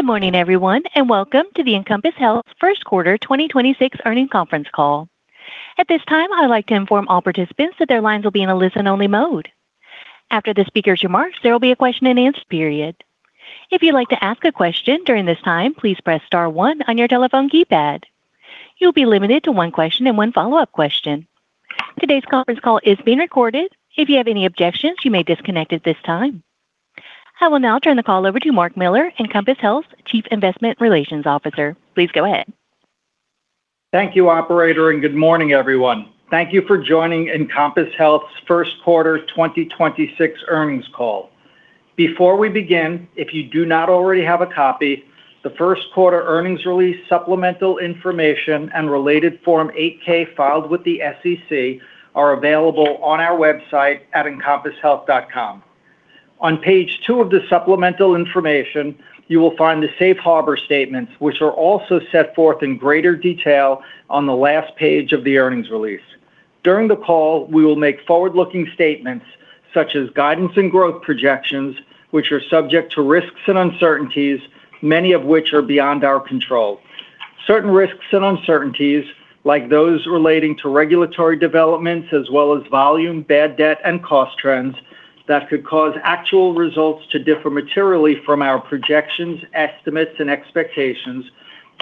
Good morning, everyone, and welcome to the Encompass Health First Quarter 2026 Earnings Conference Call. At this time, I would like to inform all participants that their lines will be in a listen-only mode. After the speaker's remarks, there will be a question and answer period. If you'd like to ask a question during this time, please press star one on your telephone keypad. You'll be limited to one question and one follow-up question. Today's conference call is being recorded. If you have any objections, you may disconnect at this time. I will now turn the call over to Mark Miller, Encompass Health Chief Investor Relations Officer. Please go ahead. Thank you, operator, and good morning, everyone. Thank you for joining Encompass Health's First Quarter 2026 earnings call. Before we begin, if you do not already have a copy, the first quarter earnings release supplemental information and related Form 8-K filed with the SEC are available on our website at encompasshealth.com. On page two of the supplemental information, you will find the safe harbor statements which are also set forth in greater detail on the last page of the earnings release. During the call, we will make forward-looking statements such as guidance and growth projections, which are subject to risks and uncertainties, many of which are beyond our control. Certain risks and uncertainties, like those relating to regulatory developments as well as volume, bad debt and cost trends that could cause actual results to differ materially from our projections, estimates, and expectations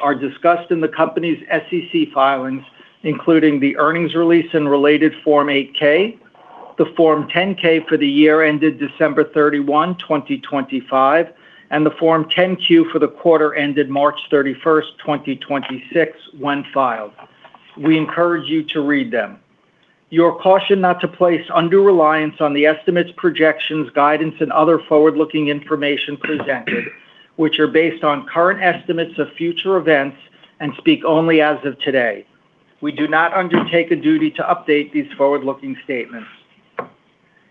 are discussed in the company's SEC filings, including the earnings release and related Form 8-K, the Form 10-K for the year ended December 31, 2025, and the Form 10-Q for the quarter ended March 31, 2026 when filed. We encourage you to read them. You are cautioned not to place undue reliance on the estimates, projections, guidance and other forward-looking information presented, which are based on current estimates of future events and speak only as of today. We do not undertake a duty to update these forward-looking statements.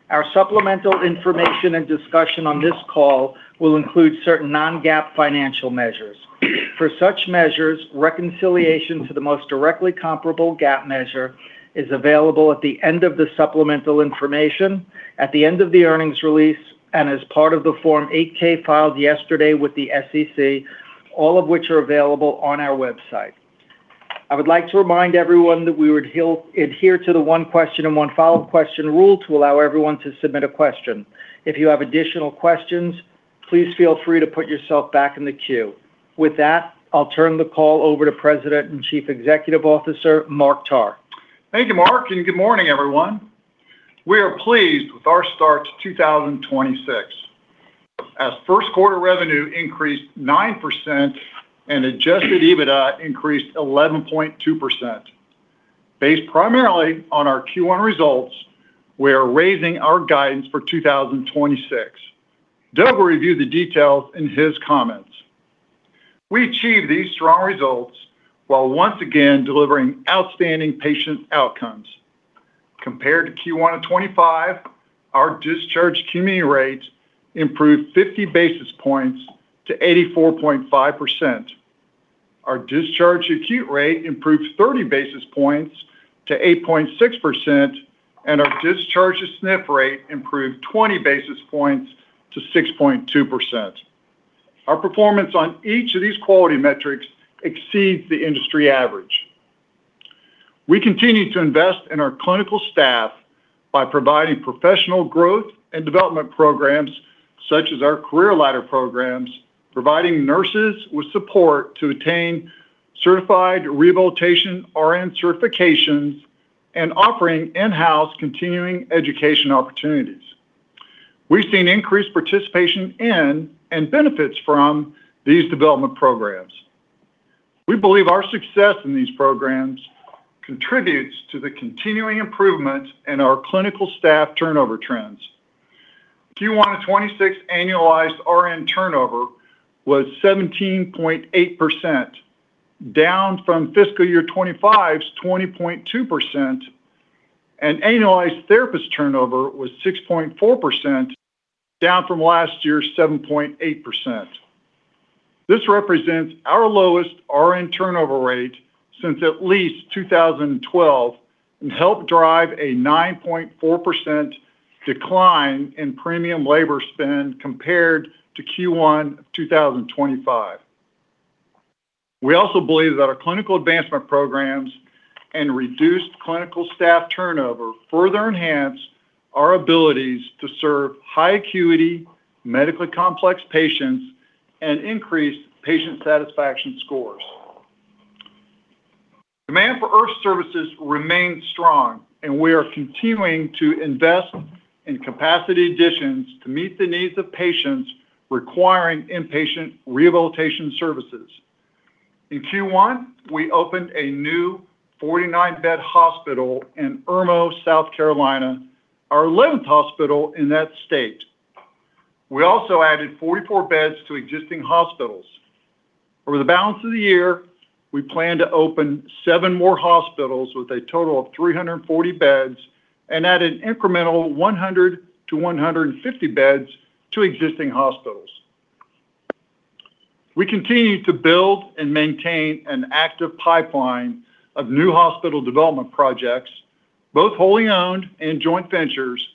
Our supplemental information and discussion on this call will include certain non-GAAP financial measures. For such measures, reconciliation to the most directly comparable GAAP measure is available at the end of the supplemental information, at the end of the earnings release, and as part of the Form 8-K filed yesterday with the SEC, all of which are available on our website. I would like to remind everyone that we would adhere to the one question and one follow-up question rule to allow everyone to submit a question. If you have additional questions, please feel free to put yourself back in the queue. With that, I'll turn the call over to President and Chief Executive Officer, Mark Tarr. Thank you, Mark, and good morning, everyone. We are pleased with our start to 2026. First quarter revenue increased 9% and adjusted EBITDA increased 11.2%. Based primarily on our Q1 results, we are raising our guidance for 2026. Doug will review the details in his comments. We achieved these strong results while once again delivering outstanding patient outcomes. Compared to Q1 of 2025, our discharge TME rates improved 50 basis points to 84.5%. Our discharge acute rate improved 30 basis points to 8.6%, and our discharge SNF rate improved 20 basis points to 6.2%. Our performance on each of these quality metrics exceeds the industry average. We continue to invest in our clinical staff by providing professional growth and development programs such as our career ladder programs, providing nurses with support to attain certified rehabilitation RN certifications and offering in-house continuing education opportunities. We've seen increased participation in and benefits from these development programs. We believe our success in these programs contributes to the continuing improvements in our clinical staff turnover trends. Q1 of 2026 annualized RN turnover was 17.8%, down from fiscal year 2025's 20.2%. Annualized therapist turnover was 6.4%, down from last year's 7.8%. This represents our lowest RN turnover rate since at least 2012 and helped drive a 9.4% decline in premium labor spend compared to Q1 2025. We also believe that our clinical advancement programs and reduced clinical staff turnover further enhance our abilities to serve high acuity, medically complex patients and increase patient satisfaction scores. Demand for IRF services remains strong, and we are continuing to invest in capacity additions to meet the needs of patients requiring inpatient rehabilitation services. In Q1, we opened a new 49-bed hospital in Irmo, South Carolina, our 11th hospital in that state. We also added 44 beds to existing hospitals. Over the balance of the year, we plan to open seven more hospitals with a total of 340 beds and add an incremental 100-150 beds to existing hospitals. We continue to build and maintain an active pipeline of new hospital development projects, both wholly owned and joint ventures,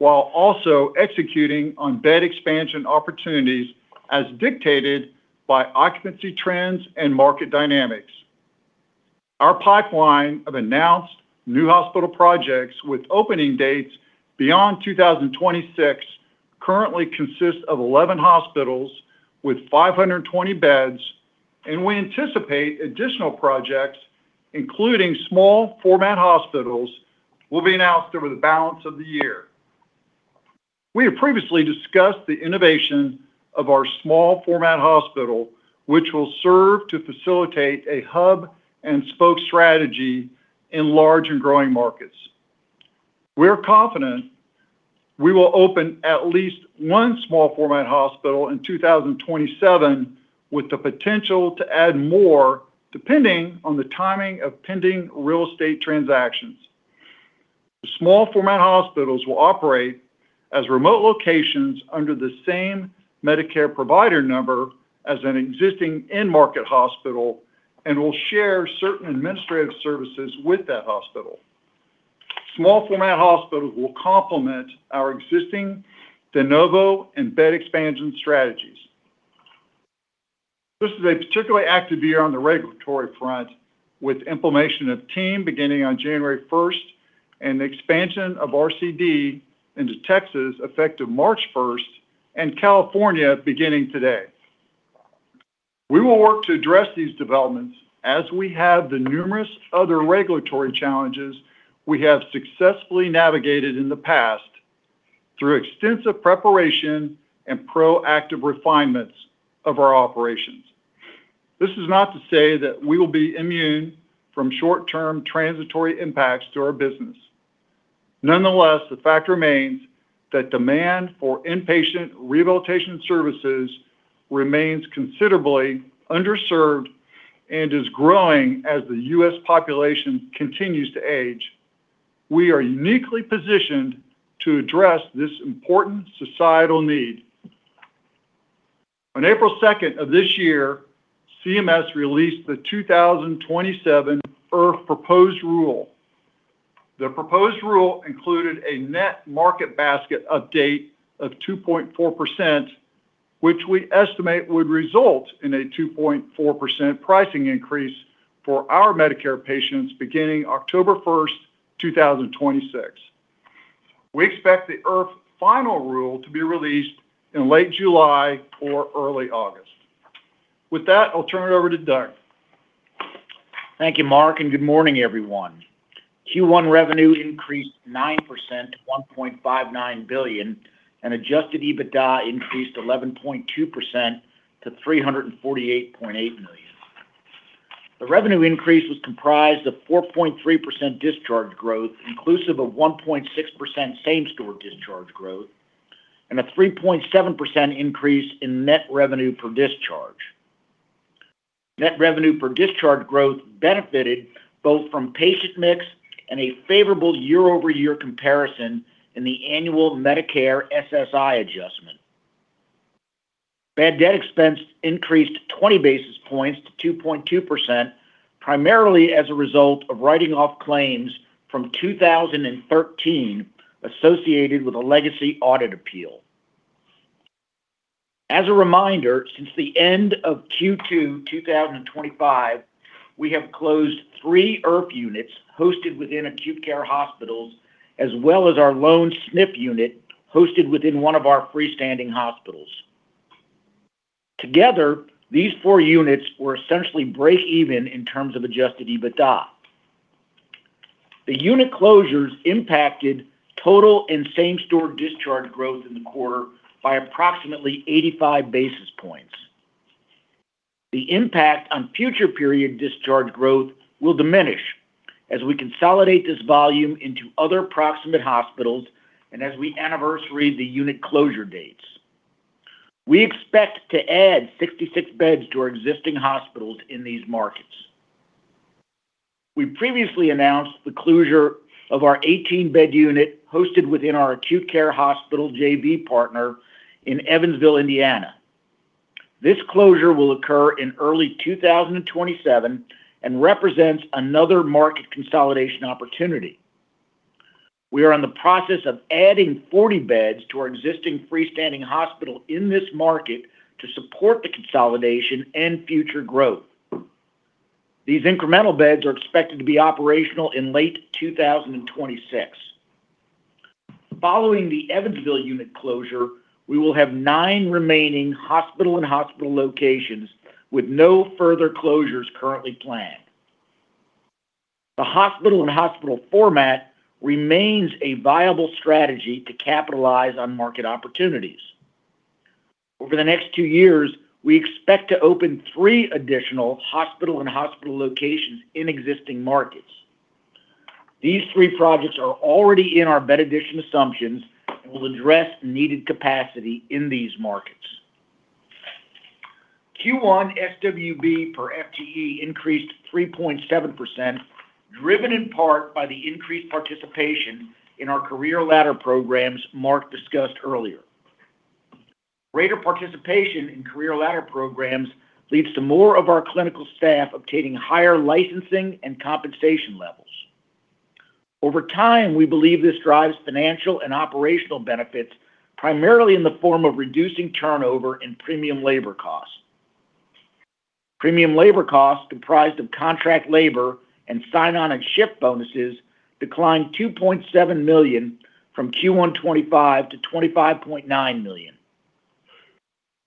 while also executing on bed expansion opportunities as dictated by occupancy trends and market dynamics. Our pipeline of announced new hospital projects with opening dates beyond 2026 currently consists of 11 hospitals with 520 beds. We anticipate additional projects, including small format hospitals, will be announced over the balance of the year. We have previously discussed the innovation of our small format hospital, which will serve to facilitate a hub and spoke strategy in large and growing markets. We're confident we will open at least one small format hospital in 2027, with the potential to add more depending on the timing of pending real estate transactions. The small format hospitals will operate as remote locations under the same Medicare provider number as an existing end market hospital and will share certain administrative services with that hospital. Small format hospitals will complement our existing de novo and bed expansion strategies. This is a particularly active year on the regulatory front, with implementation of TeamWorks beginning on January 1st and expansion of RCD into Texas effective March 1st and California beginning today. We will work to address these developments as we have the numerous other regulatory challenges we have successfully navigated in the past through extensive preparation and proactive refinements of our operations. This is not to say that we will be immune from short-term transitory impacts to our business. Nonetheless, the fact remains that demand for inpatient rehabilitation services remains considerably underserved and is growing as the U.S. population continues to age. We are uniquely positioned to address this important societal need. On April 2nd of this year, CMS released the 2027 IRF proposed rule. The proposed rule included a net market basket update of 2.4%, which we estimate would result in a 2.4% pricing increase for our Medicare patients beginning October 1st, 2026. We expect the IRF final rule to be released in late July or early August. With that, I'll turn it over to Doug. Thank you, Mark, and good morning, everyone. Q1 revenue increased 9% to $1.59 billion. Adjusted EBITDA increased 11.2% to $348.8 million. The revenue increase was comprised of 4.3% discharge growth, inclusive of 1.6% same-store discharge growth, and a 3.7% increase in net revenue per discharge. Net revenue per discharge growth benefited both from patient mix and a favorable year-over-year comparison in the annual Medicare SSI adjustment. Bad debt expense increased 20 basis points to 2.2%, primarily as a result of writing off claims from 2013 associated with a legacy audit appeal. As a reminder, since the end of Q2 2025, we have closed three IRF units hosted within acute care hospitals as well as our lone SNF unit hosted within one of our freestanding hospitals. Together, these four units were essentially break even in terms of adjusted EBITDA. The unit closures impacted total and same-store discharge growth in the quarter by approximately 85 basis points. The impact on future period discharge growth will diminish as we consolidate this volume into other proximate hospitals and as we anniversary the unit closure dates. We expect to add 66 beds to our existing hospitals in these markets. We previously announced the closure of our 18-bed unit hosted within our acute care hospital JV partner in Evansville, Indiana. This closure will occur in early 2027 and represents another market consolidation opportunity. We are in the process of adding 40 beds to our existing freestanding hospital in this market to support the consolidation and future growth. These incremental beds are expected to be operational in late 2026. Following the Evansville unit closure, we will have nine remaining hospital and hospital locations with no further closures currently planned. The hospital and hospital format remains a viable strategy to capitalize on market opportunities. Over the next two years, we expect to open three additional hospital and hospital locations in existing markets. These three projects are already in our bed addition assumptions and will address needed capacity in these markets. Q1 SWB per FTE increased 3.7%, driven in part by the increased participation in our career ladder programs Mark discussed earlier. Greater participation in career ladder programs leads to more of our clinical staff obtaining higher licensing and compensation levels. Over time, we believe this drives financial and operational benefits, primarily in the form of reducing turnover and premium labor costs. Premium labor costs, comprised of contract labor and sign-on and shift bonuses, declined $2.7 million from Q1 2025 to $25.9 million.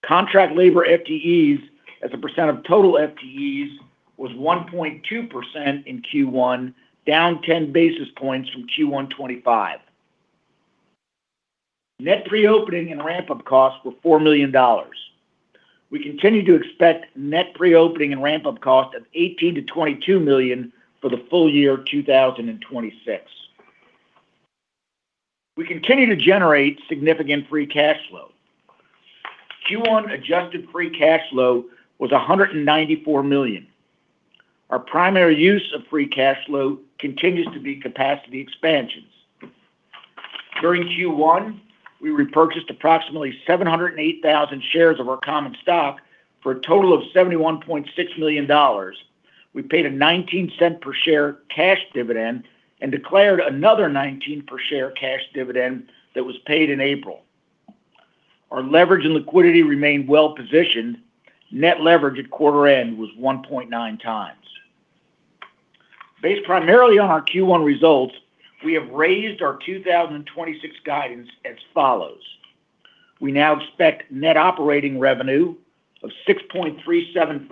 Contract labor FTEs as a percent of total FTEs was 1.2% in Q1, down 10 basis points from Q1 2025. Net pre-opening and ramp-up costs were $4 million. We continue to expect net pre-opening and ramp-up cost of $18 million-$22 million for the full year 2026. We continue to generate significant free cash flow. Q1 adjusted free cash flow was $194 million. Our primary use of free cash flow continues to be capacity expansions. During Q1, we repurchased approximately 708,000 shares of our common stock for a total of $71.6 million. We paid a $0.19 per share cash dividend and declared another $0.19 per share cash dividend that was paid in April. Our leverage and liquidity remain well-positioned. Net leverage at quarter end was 1.9x. Based primarily on our Q1 results, we have raised our 2026 guidance as follows. We now expect net operating revenue of $6.375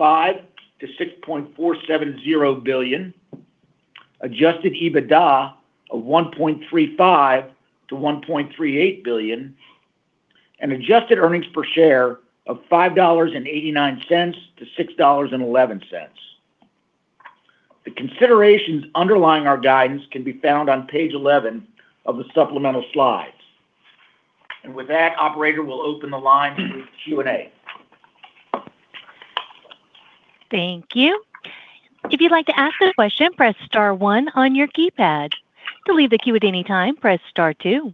billion-$6.470 billion, adjusted EBITDA of $1.35 billion-$1.38 billion, and adjusted earnings per share of $5.89-$6.11. The considerations underlying our guidance can be found on page 11 of the supplemental slides. With that, operator, we'll open the line for Q&A. Thank you. If you'd like to ask a question, press star one on your keypad. To leave the queue at any time, press star two.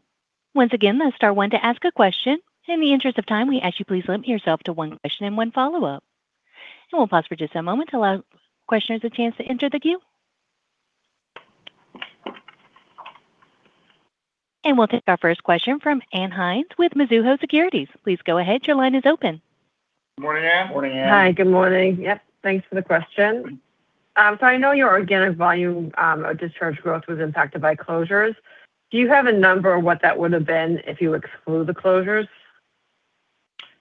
Once again, that's star one to ask a question. In the interest of time, we ask you please limit yourself to one question and one follow-up. We'll pause for just a moment to allow questioners a chance to enter the queue. We'll take our first question from Ann Hynes with Mizuho Securities. Please go ahead, your line is open. Morning, Ann. Morning, Ann. Hi, good morning. Yep, thanks for the question. I know your organic volume of discharge growth was impacted by closures. Do you have a number of what that would have been if you exclude the closures?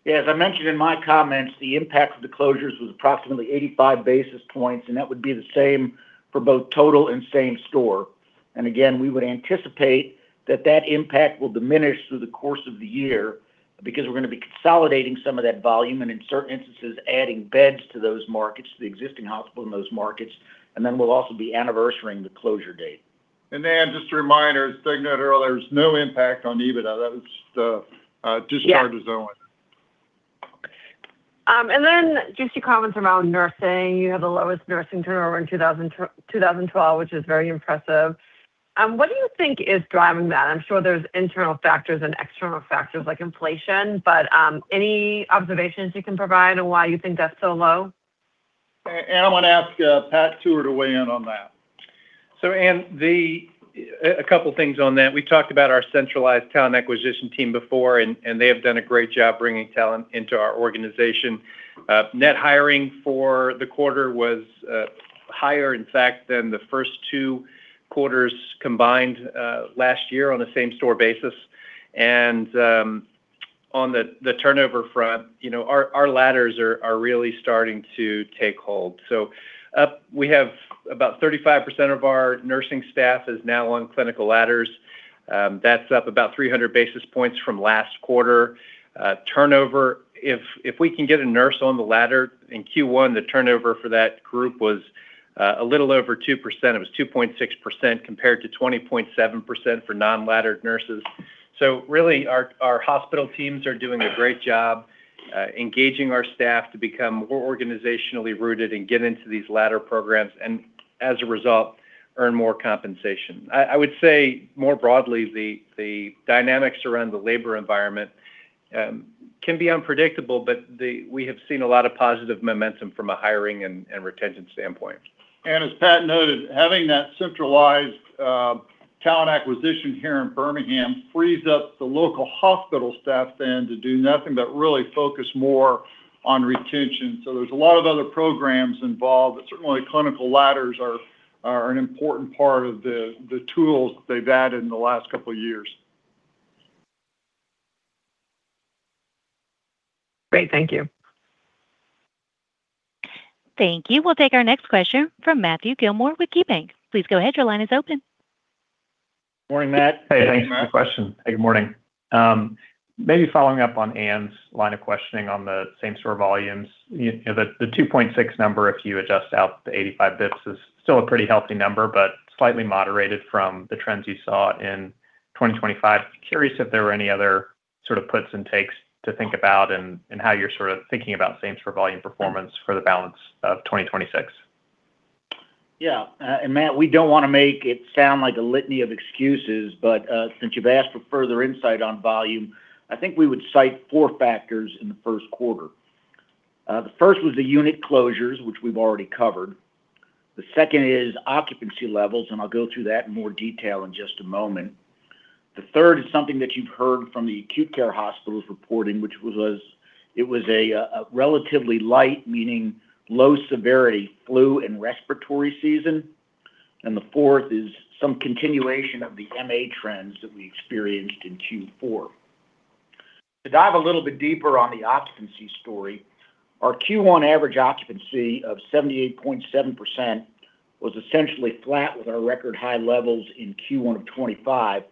Yeah, as I mentioned in my comments, the impact of the closures was approximately 85 basis points, that would be the same for both total and same store. Again, we would anticipate that that impact will diminish through the course of the year because we're gonna be consolidating some of that volume, and in certain instances, adding beds to those markets, the existing hospital in those markets. Then we'll also be anniversarying the closure date. Ann, just a reminder, as Doug noted earlier, there's no impact on EBITDA. That was just discharges only. Yeah. Just your comments around nursing. You have the lowest nursing turnover in 2012, which is very impressive. What do you think is driving that? I'm sure there's internal factors and external factors like inflation, but any observations you can provide on why you think that's so low? Ann, I wanna ask Pat Tuer to weigh in on that. Ann, a couple things on that. We talked about our centralized talent acquisition TeamWorks before, and they have done a great job bringing talent into our organization. Net hiring for the quarter was higher, in fact, than the first two quarters combined last year on a same-store basis. On the turnover front, you know, our ladders are really starting to take hold. We have about 35% of our nursing staff is now on clinical ladders. That's up about 300 basis points from last quarter. Turnover, if we can get a nurse on the ladder in Q1, the turnover for that group was a little over 2%. It was 2.6% compared to 20.7% for non-laddered nurses. Really, our hospital teams are doing a great job engaging our staff to become more organizationally rooted and get into these ladder programs, and as a result, earn more compensation. I would say more broadly, the dynamics around the labor environment can be unpredictable, but we have seen a lot of positive momentum from a hiring and retention standpoint. Ann, as Pat noted, having that centralized talent acquisition here in Birmingham frees up the local hospital staff then to do nothing but really focus more on retention. There's a lot of other programs involved, but certainly clinical ladders are an important part of the tools they've added in the last couple years. Great. Thank you. Thank you. We'll take our next question from Matthew Gillmor with KeyBanc. Please go ahead, your line is open. Morning, Matt. Hey, Matt. Hey, thanks for the question. Hey, good morning. Maybe following up on Ann's line of questioning on the same store volumes. You, you know, the 2.6 number, if you adjust out the 85 basis points, is still a pretty healthy number, but slightly moderated from the trends you saw in 2025. Curious if there were any other sort of puts and takes to think about and how you're sort of thinking about same store volume performance for the balance of 2026? Yeah. Matt, we don't wanna make it sound like a litany of excuses, but since you've asked for further insight on volume, I think we would cite four factors in the first quarter. The first was the unit closures, which we've already covered. The second is occupancy levels, and I'll go through that in more detail in just a moment. The third is something that you've heard from the acute care hospitals reporting, which was, it was a relatively light, meaning low severity flu and respiratory season. The fourth is some continuation of the MA trends that we experienced in Q4. To dive a little bit deeper on the occupancy story, our Q1 average occupancy of 78.7% was essentially flat with our record high levels in Q1 of 2025.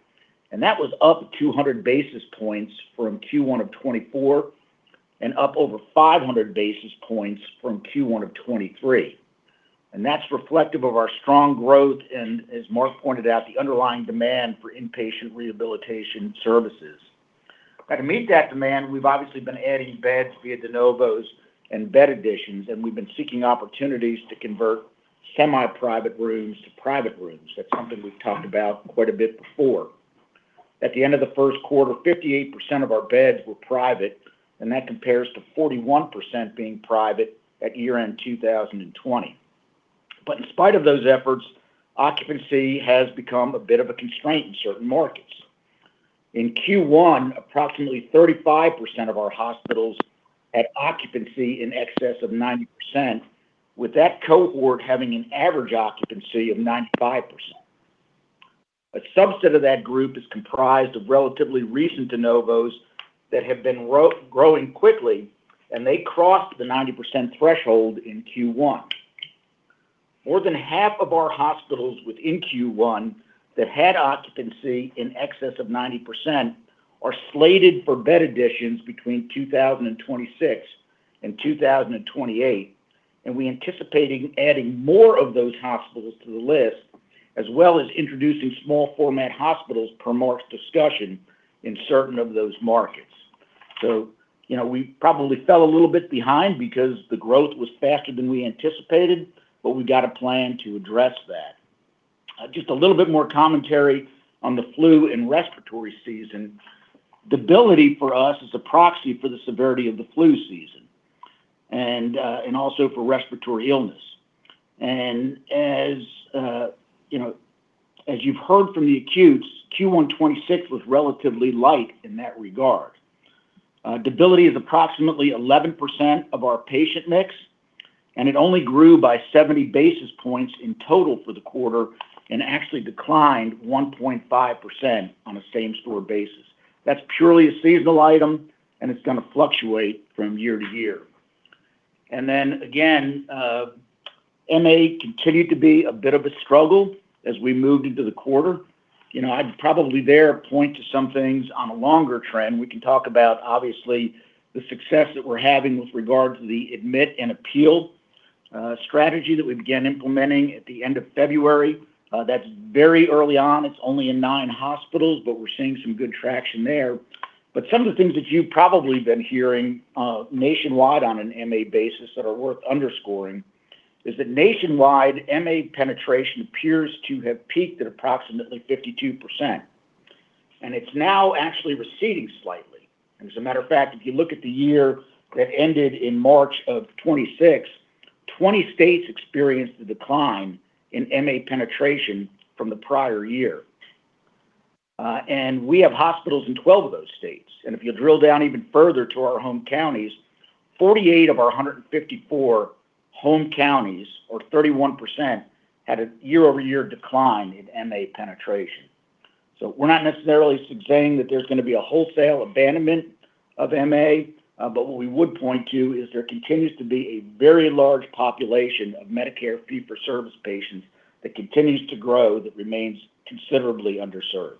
That was up 200 basis points from Q1 of 2024 and up over 500 basis points from Q1 of 2023. That's reflective of our strong growth and as Mark pointed out, the underlying demand for inpatient rehabilitation services. Now, to meet that demand, we've obviously been adding beds via de novos and bed additions. We've been seeking opportunities to convert semi-private rooms to private rooms. That's something we've talked about quite a bit before. At the end of the first quarter, 58% of our beds were private. That compares to 41% being private at year-end 2020. In spite of those efforts, occupancy has become a bit of a constraint in certain markets. In Q1, approximately 35% of our hospitals had occupancy in excess of 90%, with that cohort having an average occupancy of 95%. A subset of that group is comprised of relatively recent de novos that have been growing quickly, and they crossed the 90% threshold in Q1. More than half of our hospitals within Q1 that had occupancy in excess of 90% are slated for bed additions between 2026 and 2028. We anticipating adding more of those hospitals to the list, as well as introducing small format hospitals per Mark's discussion in certain of those markets. You know, we probably fell a little bit behind because the growth was faster than we anticipated, but we got a plan to address that. Just a little bit more commentary on the flu and respiratory season. Debility for us is a proxy for the severity of the flu season and also for respiratory illness. As you know, as you've heard from the acutes, Q1 2026 was relatively light in that regard. Debility is approximately 11% of our patient mix, and it only grew by 70 basis points in total for the quarter and actually declined 1.5% on a same store basis. That's purely a seasonal item, and it's gonna fluctuate from year to year. Again, MA continued to be a bit of a struggle as we moved into the quarter. You know, I'd probably there point to some things on a longer trend. We can talk about, obviously, the success that we're having with regard to the admit and appeal strategy that we began implementing at the end of February. That's very early on. It's only in nine hospitals, but we're seeing some good traction there. Some of the things that you've probably been hearing nationwide on an MA basis that are worth underscoring is that nationwide MA penetration appears to have peaked at approximately 52%, and it's now actually receding slightly. As a matter of fact, if you look at the year that ended in March of 2026, 20 states experienced a decline in MA penetration from the prior year. We have hospitals in 12 of those states. If you drill down even further to our home counties, 48 of our 154 home counties or 31% had a year-over-year decline in MA penetration. We're not necessarily suggesting that there's gonna be a wholesale abandonment of MA, but what we would point to is there continues to be a very large population of Medicare fee-for-service patients that continues to grow that remains considerably underserved.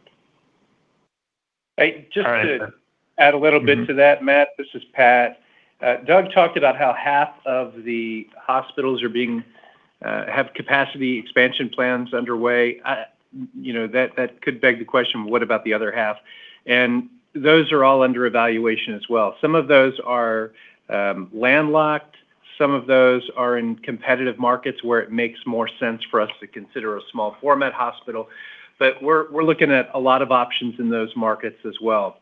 All right, sir. Hey. Just to add a little bit to that, Matt. This is Pat. Doug talked about how half of the hospitals are being, have capacity expansion plans underway. You know, that could beg the question, what about the other half? Those are all under evaluation as well. Some of those are landlocked. Some of those are in competitive markets where it makes more sense for us to consider a small format hospital. We're looking at a lot of options in those markets as well.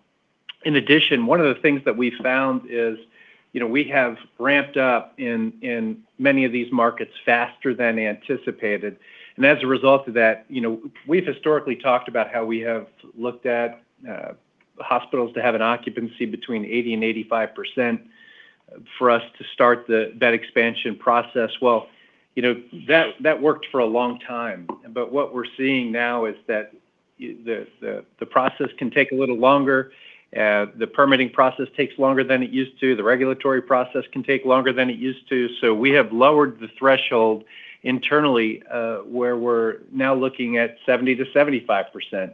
In addition, one of the things that we found is, you know, we have ramped up in many of these markets faster than anticipated. As a result of that, you know, we've historically talked about how we have looked at hospitals to have an occupancy between 80% and 85% for us to start that expansion process. You know, that worked for a long time. What we're seeing now is that the process can take a little longer. The permitting process takes longer than it used to. The regulatory process can take longer than it used to. We have lowered the threshold internally, where we're now looking at 70%-75%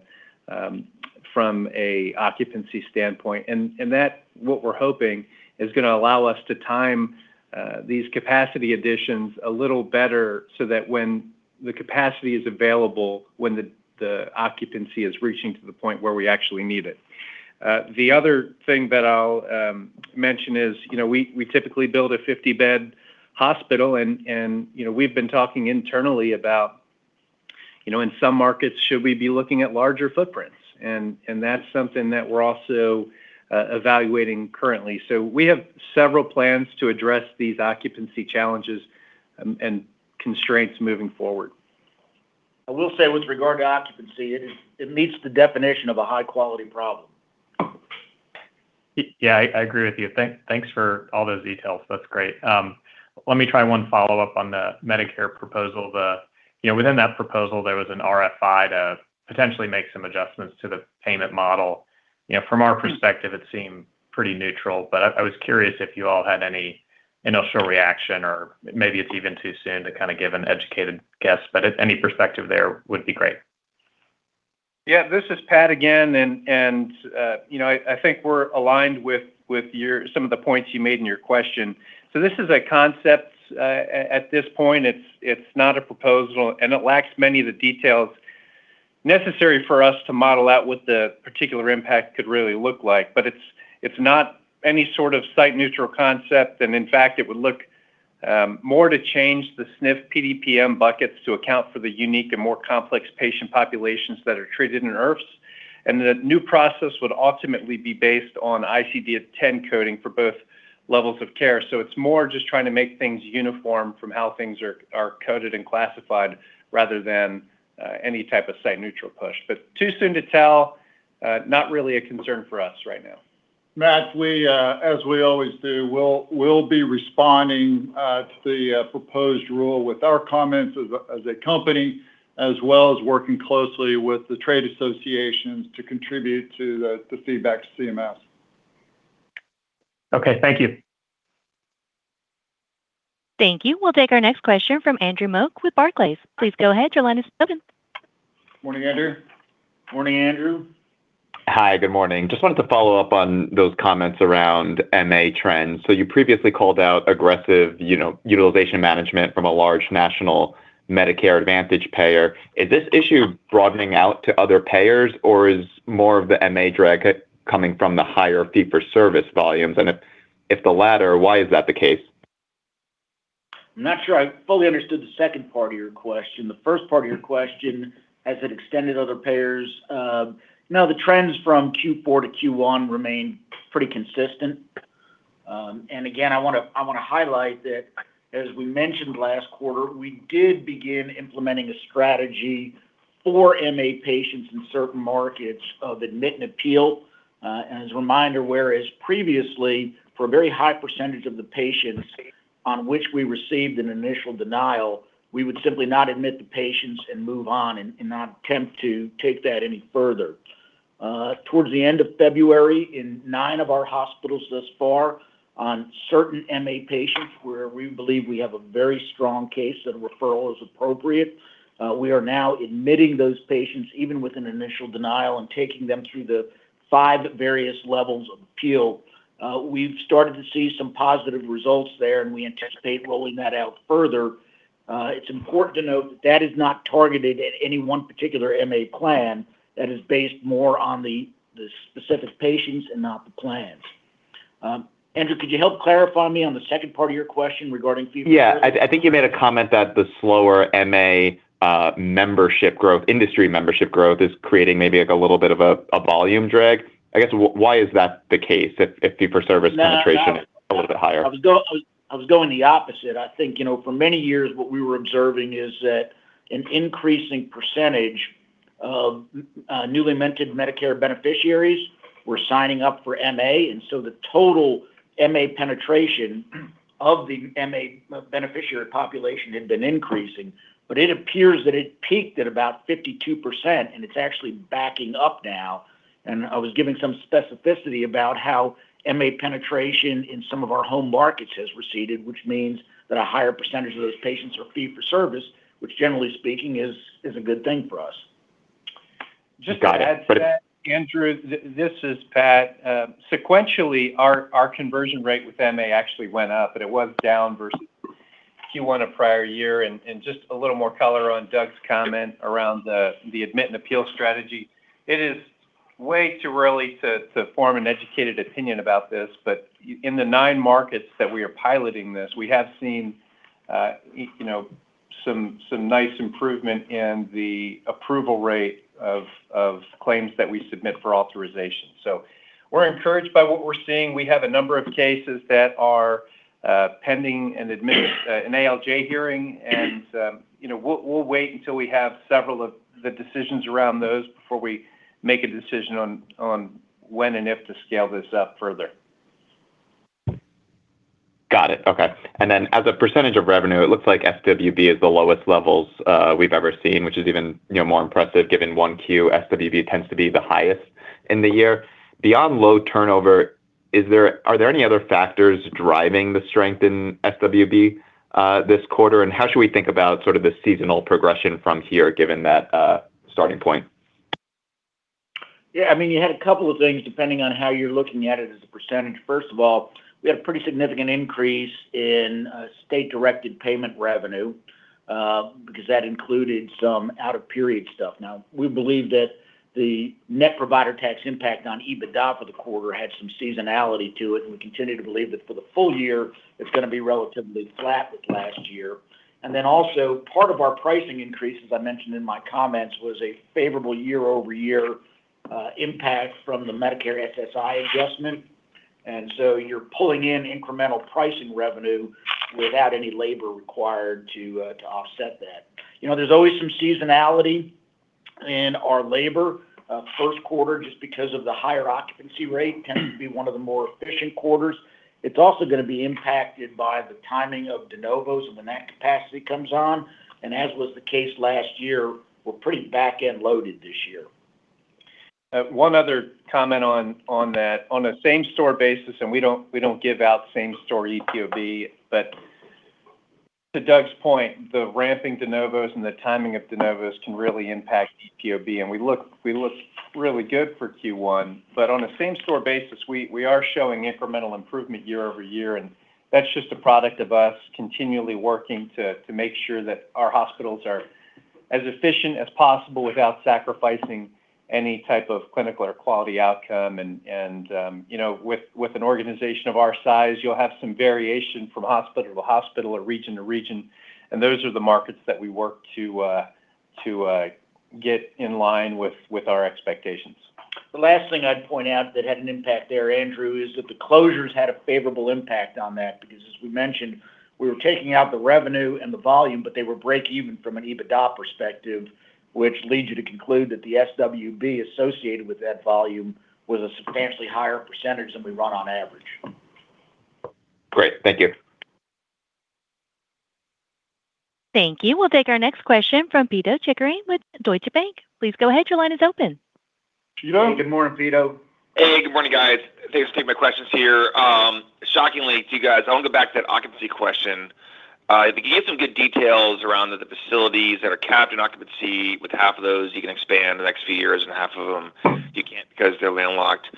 from an occupancy standpoint. That, what we're hoping, is gonna allow us to time these capacity additions a little better so that when the capacity is available, when the occupancy is reaching to the point where we actually need it. The other thing that I'll mention is, you know, we typically build a 50-bed hospital, and, you know, we've been talking internally about, you know, in some markets, should we be looking at larger footprints? That's something that we're also evaluating currently. We have several plans to address these occupancy challenges and constraints moving forward. I will say with regard to occupancy, it is, it meets the definition of a high-quality problem. Yeah, I agree with you. Thanks for all those details. That's great. Let me try one follow-up on the Medicare proposal. You know, within that proposal, there was an RFI to potentially make some adjustments to the payment model. You know, from our perspective it seemed pretty neutral, but I was curious if you all had any initial reaction or maybe it's even too soon to kind of give an educated guess, but if any perspective there would be great. Yeah. This is Pat again and, you know, I think we're aligned with some of the points you made in your question. This is a concept. At this point, it's not a proposal, and it lacks many of the details necessary for us to model out what the particular impact could really look like. It's not any sort of site neutral concept, and in fact, it would look more to change the SNF PDPM buckets to account for the unique and more complex patient populations that are treated in IRFs. The new process would ultimately be based on ICD-10 coding for both levels of care. It's more just trying to make things uniform from how things are coded and classified rather than any type of site neutral push. Too soon to tell, not really a concern for us right now. Matt, we, as we always do, we'll be responding to the proposed rule with our comments as a company, as well as working closely with the trade associations to contribute to the feedback to CMS. Okay. Thank you. Thank you. We'll take our next question from Andrew Mok with Barclays. Please go ahead. Your line is open. Morning, Andrew. Morning, Andrew. Hi. Good morning. Just wanted to follow up on those comments around MA trends. You previously called out aggressive, you know, utilization management from a large national Medicare Advantage payer. Is this issue broadening out to other payers, or is more of the MA drag coming from the higher fee for service volumes? If the latter, why is that the case? I'm not sure I fully understood the second part of your question. The first part of your question, has it extended to other payers? No, the trends from Q4 to Q1 remain pretty consistent. Again, I wanna highlight that, as we mentioned last quarter, we did begin implementing a strategy for MA patients in certain markets of admit and appeal. As a reminder, whereas previously, for a very high percentage of the patients on which we received an initial denial, we would simply not admit the patients and move on and not attempt to take that any further. Towards the end of February, in nine of our hospitals thus far, on certain MA patients where we believe we have a very strong case that a referral is appropriate, we are now admitting those patients, even with an initial denial, and taking them through the five various levels of appeal. We've started to see some positive results there, and we anticipate rolling that out further. It's important to note that that is not targeted at any one particular MA plan. That is based more on the specific patients and not the plans. Andrew, could you help clarify me on the second part of your question regarding fee for service? Yeah. I think you made a comment that the slower MA membership growth, industry membership growth is creating maybe, like, a little bit of a volume drag. I guess, why is that the case if fee for service penetration is a little bit higher? No. I was going the opposite. I think, you know, for many years, what we were observing is that an increasing percentage of newly minted Medicare beneficiaries were signing up for MA. The total MA penetration of the MA beneficiary population had been increasing. It appears that it peaked at about 52%, and it's actually backing up now. I was giving some specificity about how MA penetration in some of our home markets has receded, which means that a higher percentage of those patients are fee for service, which generally speaking is a good thing for us. Got it. Just to add to that, Andrew, this is Pat. Sequentially, our conversion rate with MA actually went up, but it was down versus Q1 of prior year. Just a little more color on Doug's comment around the admit and appeal strategy. It is way too early to form an educated opinion about this, but in the nine markets that we are piloting this, we have seen, you know, some nice improvement in the approval rate of claims that we submit for authorization. So we're encouraged by what we're seeing. We have a number of cases that are pending an ALJ hearing. You know, we'll wait until we have several of the decisions around those before we make a decision on when and if to scale this up further. Got it. Okay. Then as a percentage of revenue, it looks like SWB is the lowest levels we've ever seen, which is even, you know, more impressive given 1Q. SWB tends to be the highest in the year. Beyond low turnover, are there any other factors driving the strength in SWB this quarter? How should we think about sort of the seasonal progression from here, given that starting point? Yeah, I mean, you had a couple of things depending on how you're looking at it as a %. First of all, we had a pretty significant increase in state-directed payment revenue because that included some out of period stuff. We believe that the net provider tax impact on EBITDA for the quarter had some seasonality to it, and we continue to believe that for the full year it's gonna be relatively flat with last year. Also part of our pricing increase, as I mentioned in my comments, was a favorable year-over-year impact from the Medicare SSI adjustment. You're pulling in incremental pricing revenue without any labor required to offset that. You know, there's always some seasonality in our labor. First quarter, just because of the higher occupancy rate, can be one of the more efficient quarters. It's also gonna be impacted by the timing of de novos and when that capacity comes on. As was the case last year, we're pretty back-end loaded this year. One other comment on that. On a same store basis, we don't, we don't give out same-store EPOB, to Doug's point, the ramping de novos and the timing of de novos can really impact POB. We look really good for Q1. On a same store basis, we are showing incremental improvement year-over-year, and that's just a product of us continually working to make sure that our hospitals are as efficient as possible without sacrificing any type of clinical or quality outcome. You know, with an organization of our size, you'll have some variation from hospital to hospital or region to region, and those are the markets that we work to get in line with our expectations. The last thing I'd point out that had an impact there, Andrew, is that the closures had a favorable impact on that because as we mentioned, we were taking out the revenue and the volume, but they were breakeven from an EBITDA perspective, which leads you to conclude that the SWB associated with that volume was a substantially higher % than we run on average. Great. Thank you. Thank you. We'll take our next question from Pito Chickering with Deutsche Bank. Please go ahead, your line is open. Pito? Hey, good morning, Pito. Hey, good morning, guys. Thanks for taking my questions here. Shockingly to you guys, I wanna go back to that occupancy question. I think you gave some good details around the facilities that are capped in occupancy with half of those you can expand the next few years and half of them you can't because they're landlocked.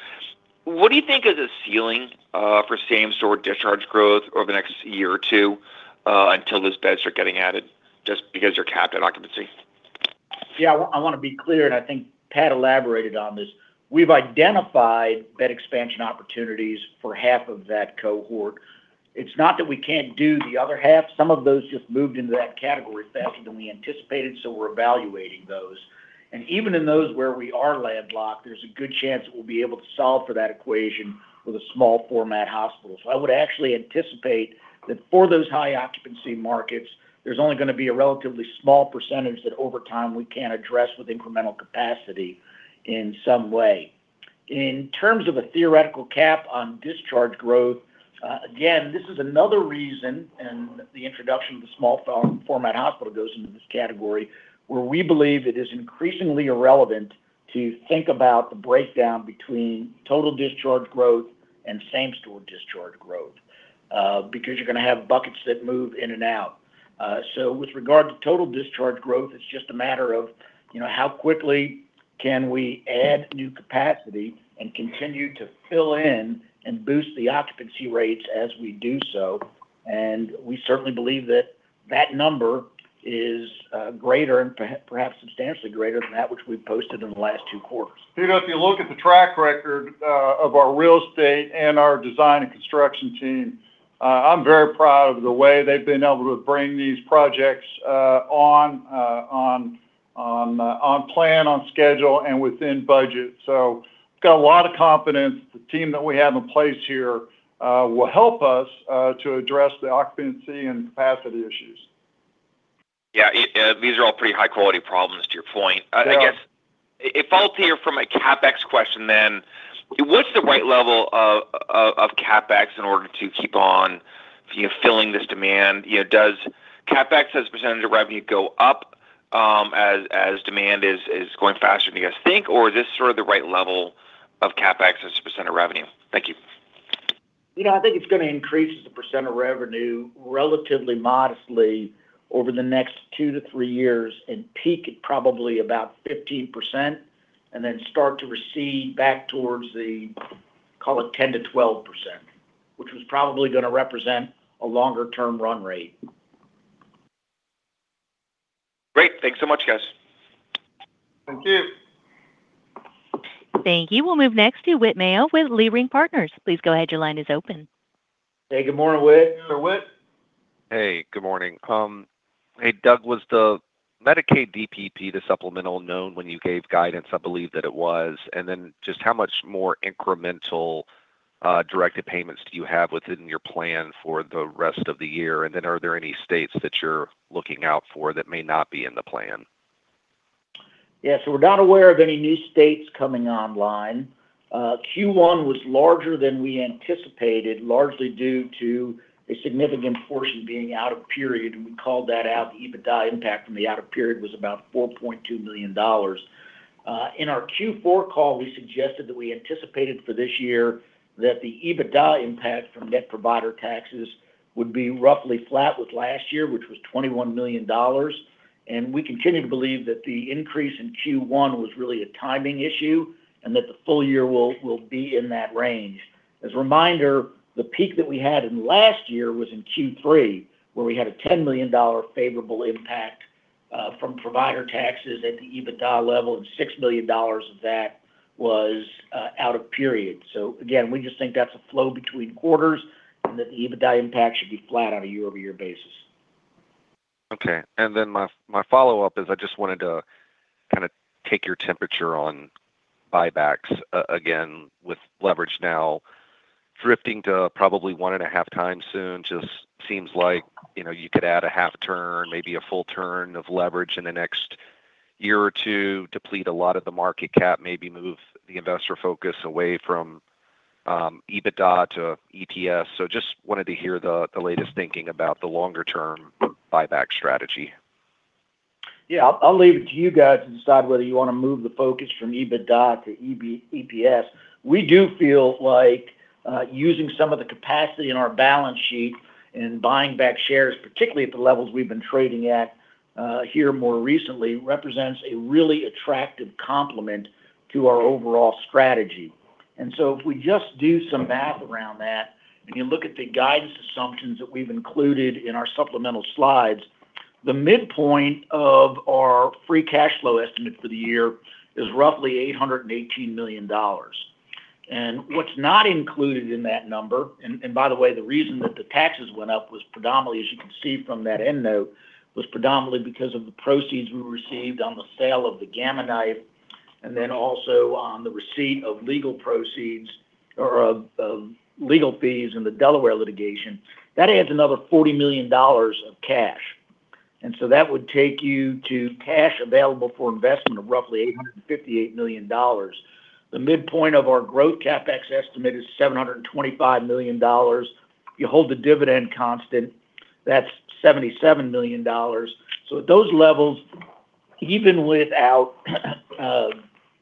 What do you think is a ceiling for same store discharge growth over the next year or two until those beds are getting added just because they're capped at occupancy? I wanna be clear, and I think Pat elaborated on this. We've identified bed expansion opportunities for half of that cohort. It's not that we can't do the other half, some of those just moved into that category faster than we anticipated, so we're evaluating those. Even in those where we are landlocked, there's a good chance that we'll be able to solve for that equation with a small format hospital. I would actually anticipate that for those high occupancy markets, there's only gonna be a relatively small percentage that over time we can't address with incremental capacity in some way. In terms of a theoretical cap on discharge growth, again, this is another reason, and the introduction to small format hospital goes into this category, where we believe it is increasingly irrelevant to think about the breakdown between total discharge growth and same store discharge growth, because you're gonna have buckets that move in and out. With regard to total discharge growth, it's just a matter of, you know, how quickly can we add new capacity and continue to fill in and boost the occupancy rates as we do so. We certainly believe that that number is greater and perhaps substantially greater than that which we've posted in the last two quarters. Pito, if you look at the track record of our real estate and our design and construction TeamWorks, I'm very proud of the way they've been able to bring these projects on plan, on schedule and within budget. I've got a lot of confidence the TeamWorks that we have in place here will help us to address the occupancy and capacity issues. Yeah. These are all pretty high quality problems to your point. I guess if I alter from a CapEx question then, what's the right level of CapEx in order to keep on, you know, filling this demand? You know, does CapEx as a % of revenue go up, as demand is growing faster than you guys think, or is this sort of the right level of CapEx as a % of revenue? Thank you. You know, I think it's gonna increase as a percent of revenue relatively modestly over the next two to three years and peak at probably about 15% and then start to recede back towards the, call it 10%-12%, which was probably gonna represent a longer term run rate. Great. Thanks so much, guys. Thank you. Thank you. We'll move next to Whit Mayo with Leerink Partners. Please go ahead, your line is open. Hey, good morning, Whit. Mr. Whit? Hey, good morning. Hey, Doug, was the Medicaid DPP, the supplemental known when you gave guidance? I believe that it was. Just how much more incremental directed payments do you have within your plan for the rest of the year? Are there any states that you're looking out for that may not be in the plan? We're not aware of any new states coming online. Q1 was larger than we anticipated, largely due to a significant portion being out of period, and we called that out. The EBITDA impact from the out of period was about $4.2 million. In our Q4 call, we suggested that we anticipated for this year that the EBITDA impact from net provider taxes would be roughly flat with last year, which was $21 million. We continue to believe that the increase in Q1 was really a timing issue, and that the full year will be in that range. As a reminder, the peak that we had in last year was in Q3, where we had a $10 million favorable impact from provider taxes at the EBITDA level, and $6 million of that was out of period. Again, we just think that's a flow between quarters, and that the EBITDA impact should be flat on a year-over-year basis. Okay. My follow-up is I just wanted to kind of take your temperature on buybacks again with leverage now drifting to probably 1.5x soon. Just seems like, you know, you could add a half turn, maybe a full turn of leverage in the next year or two, deplete a lot of the market cap, maybe move the investor focus away from EBITDA to EPS. Just wanted to hear the latest thinking about the longer term buyback strategy. Yeah. I'll leave it to you guys to decide whether you wanna move the focus from EBITDA to EPS. We do feel like using some of the capacity in our balance sheet and buying back shares, particularly at the levels we've been trading at here more recently, represents a really attractive complement to our overall strategy. If we just do some math around that, and you look at the guidance assumptions that we've included in our supplemental slides, the midpoint of our free cash flow estimate for the year is roughly $818 million. What's not included in that number, and by the way, the reason that the taxes went up was predominantly, as you can see from that end note, was predominantly because of the proceeds we received on the sale of the Gamma Knife, and then also on the receipt of legal proceeds or of legal fees in the Delaware litigation. That adds another $40 million of cash. That would take you to cash available for investment of roughly $858 million. The midpoint of our growth CapEx estimate is $725 million. If you hold the dividend constant, that's $77 million. At those levels, even without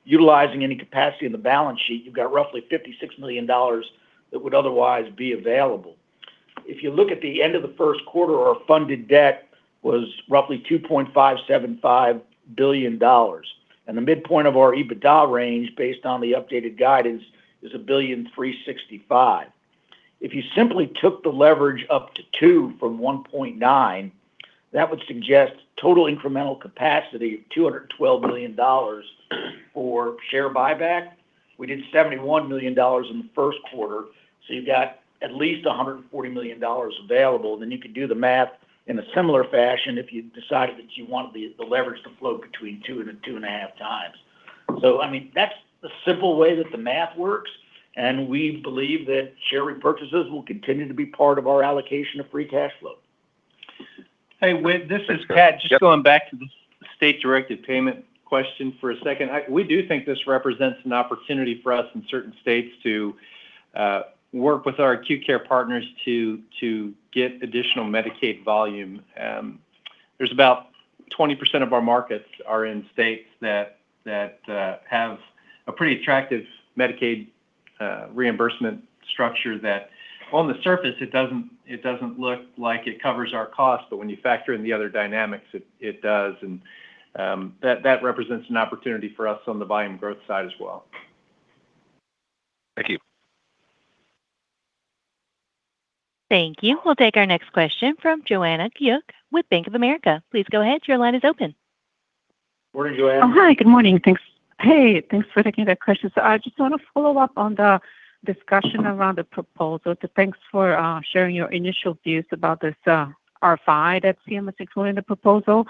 utilizing any capacity in the balance sheet, you've got roughly $56 million that would otherwise be available. If you look at the end of the first quarter, our funded debt was roughly $2.575 billion. The midpoint of our EBITDA range, based on the updated guidance, is $1.365 billion. If you simply took the leverage up to 2x from 1.9x, that would suggest total incremental capacity of $212 million for share buyback. We did $71 million in the first quarter, you've got at least $140 million available. You could do the math in a similar fashion if you decided that you wanted the leverage to float between 2x and 2.5x. I mean, that's the simple way that the math works, and we believe that share repurchases will continue to be part of our allocation of free cash flow. Hey, Whit Mayo, this is Pat. Just going back to the state-directed payment question for a second. We do think this represents an opportunity for us in certain states to work with our acute care partners to get additional Medicaid volume. There's about 20% of our markets are in states that have a pretty attractive Medicaid reimbursement structure that on the surface it doesn't look like it covers our cost. When you factor in the other dynamics, it does. That represents an opportunity for us on the volume growth side as well. Thank you. Thank you. We'll take our next question from Joanna Gajuk with Bank of America. Please go ahead, your line is open. Morning, Joanna. Hi. Good morning. Thanks. Thanks for taking the questions. I just want to follow up on the discussion around the proposal. Thanks for sharing your initial views about this RFI that CMS is doing, the proposal.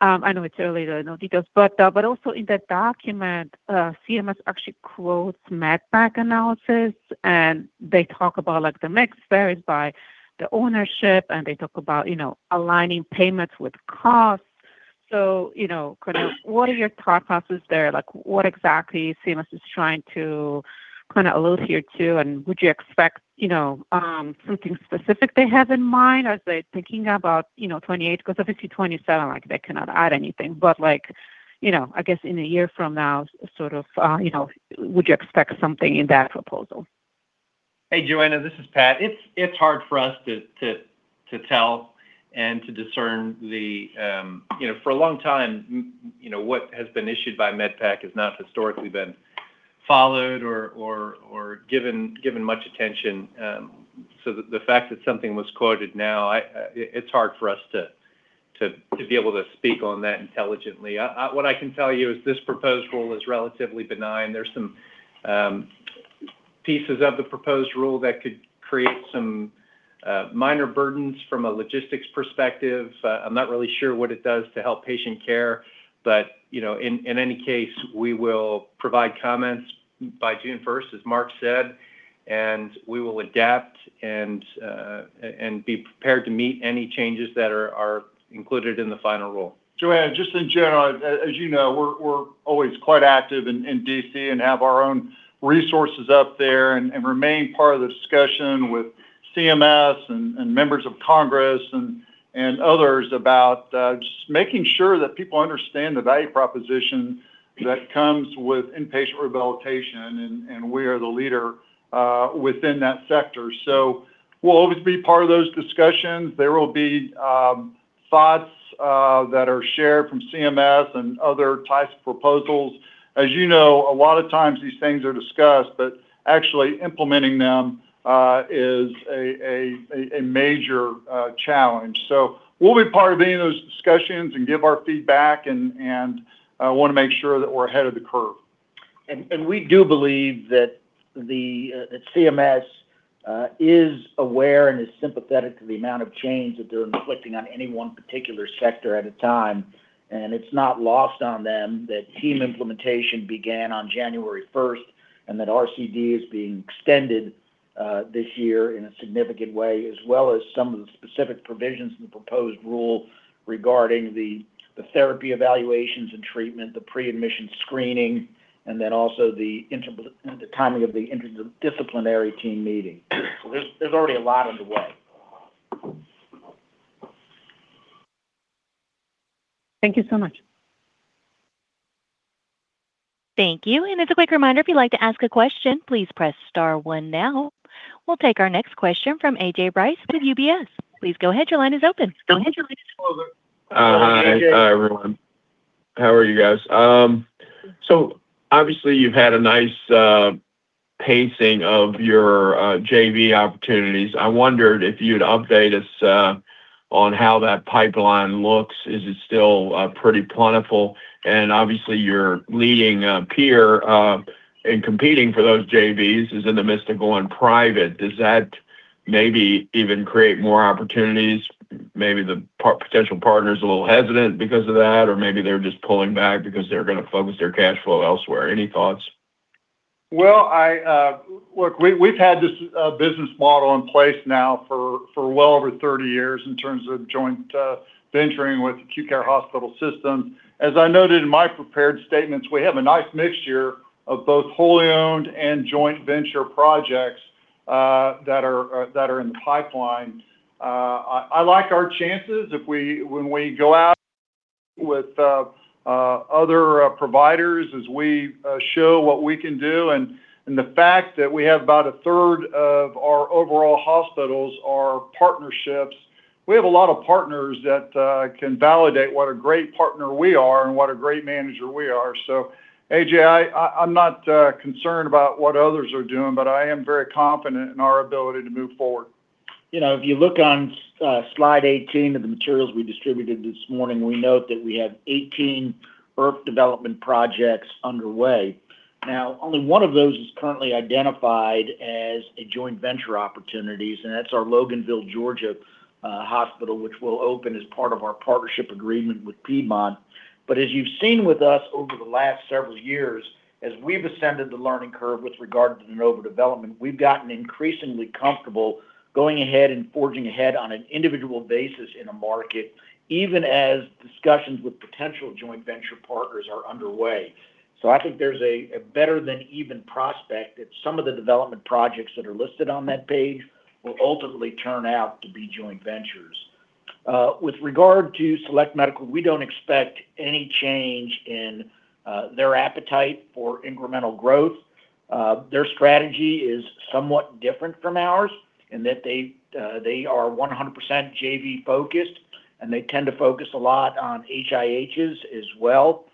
I know it's early, there are no details. In that document, CMS actually quotes MedPAC analysis, and they talk about, like, the mix varies by the ownership, and they talk about, you know, aligning payments with costs. You know, kind of what are your thought processes there? What exactly CMS is trying to kind of allude here to? Would you expect, you know, something specific they have in mind? Are they thinking about, you know, 2028? Because obviously 2027, like, they cannot add anything. Like, you know, I guess in a year from now, sort of, you know, would you expect something in that proposal? Hey, Joanna, this is Pat. It's hard for us to tell and to discern the, you know, for a long time, you know, what has been issued by MedPAC has not historically been followed or given much attention. The fact that something was quoted now, I, it's hard for us to be able to speak on that intelligently. What I can tell you is this proposed rule is relatively benign. There's some pieces of the proposed rule that could create some minor burdens from a logistics perspective. I'm not really sure what it does to help patient care, you know, in any case, we will provide comments by June 1st, as Mark said. We will adapt and be prepared to meet any changes that are included in the final rule. Joanna, just in general, as you know, we're always quite active in D.C. and have our own resources up there and remain part of the discussion with CMS and members of Congress and others about just making sure that people understand the value proposition that comes with inpatient rehabilitation, and we are the leader within that sector. We'll always be part of those discussions. There will be thoughts that are shared from CMS and other types of proposals. As you know, a lot of times these things are discussed, but actually implementing them is a major challenge. We'll be part of any of those discussions and give our feedback and wanna make sure that we're ahead of the curve. We do believe that the CMS is aware and is sympathetic to the amount of change that they're inflicting on any one particular sector at a time. It's not lost on them that TeamWorks implementation began on January 1st, and that RCD is being extended this year in a significant way, as well as some of the specific provisions in the proposed rule regarding the therapy evaluations and treatment, the pre-admission screening, and then also the timing of the interdisciplinary TeamWorks meeting. There's already a lot underway. Thank you so much. Thank you. As a quick reminder, if you'd like to ask a question, please press star one now. We'll take our next question from A.J. Rice with UBS. Please go ahead, your line is open. Hi, A.J. Hi, everyone. How are you guys? Obviously you've had a nice pacing of your JV opportunities. I wondered if you'd update us on how that pipeline looks. Is it still pretty plentiful? Obviously your leading peer in competing for those JVs is in the midst of going private. Does that maybe even create more opportunities? Maybe the potential partner's a little hesitant because of that, or maybe they're just pulling back because they're gonna focus their cash flow elsewhere. Any thoughts? Well, I look, we've had this business model in place now for well over 30 years in terms of joint venturing with acute care hospital systems. As I noted in my prepared statements, we have a nice mixture of both wholly owned and joint venture projects that are in the pipeline. I like our chances if we, when we go out with other providers as we show what we can do. The fact that we have about a third of our overall hospitals are partnerships, we have a lot of partners that can validate what a great partner we are and what a great manager we are. AJ, I'm not concerned about what others are doing, but I am very confident in our ability to move forward. You know, if you look on slide 18 of the materials we distributed this morning, we note that we have 18 IRF development projects underway. Only one of those is currently identified as a joint venture opportunities, and that's our Loganville, Georgia, hospital, which will open as part of our partnership agreement with Piedmont. As you've seen with us over the last several years, as we've ascended the learning curve with regard to de novo development, we've gotten increasingly comfortable going ahead and forging ahead on an individual basis in a market, even as discussions with potential joint venture partners are underway. I think there's a better than even prospect that some of the development projects that are listed on that page will ultimately turn out to be joint ventures. With regard to Select Medical, we don't expect any change in their appetite for incremental growth. Their strategy is somewhat different from ours in that they are 100% JV focused, and they tend to focus a lot on HIHs as well.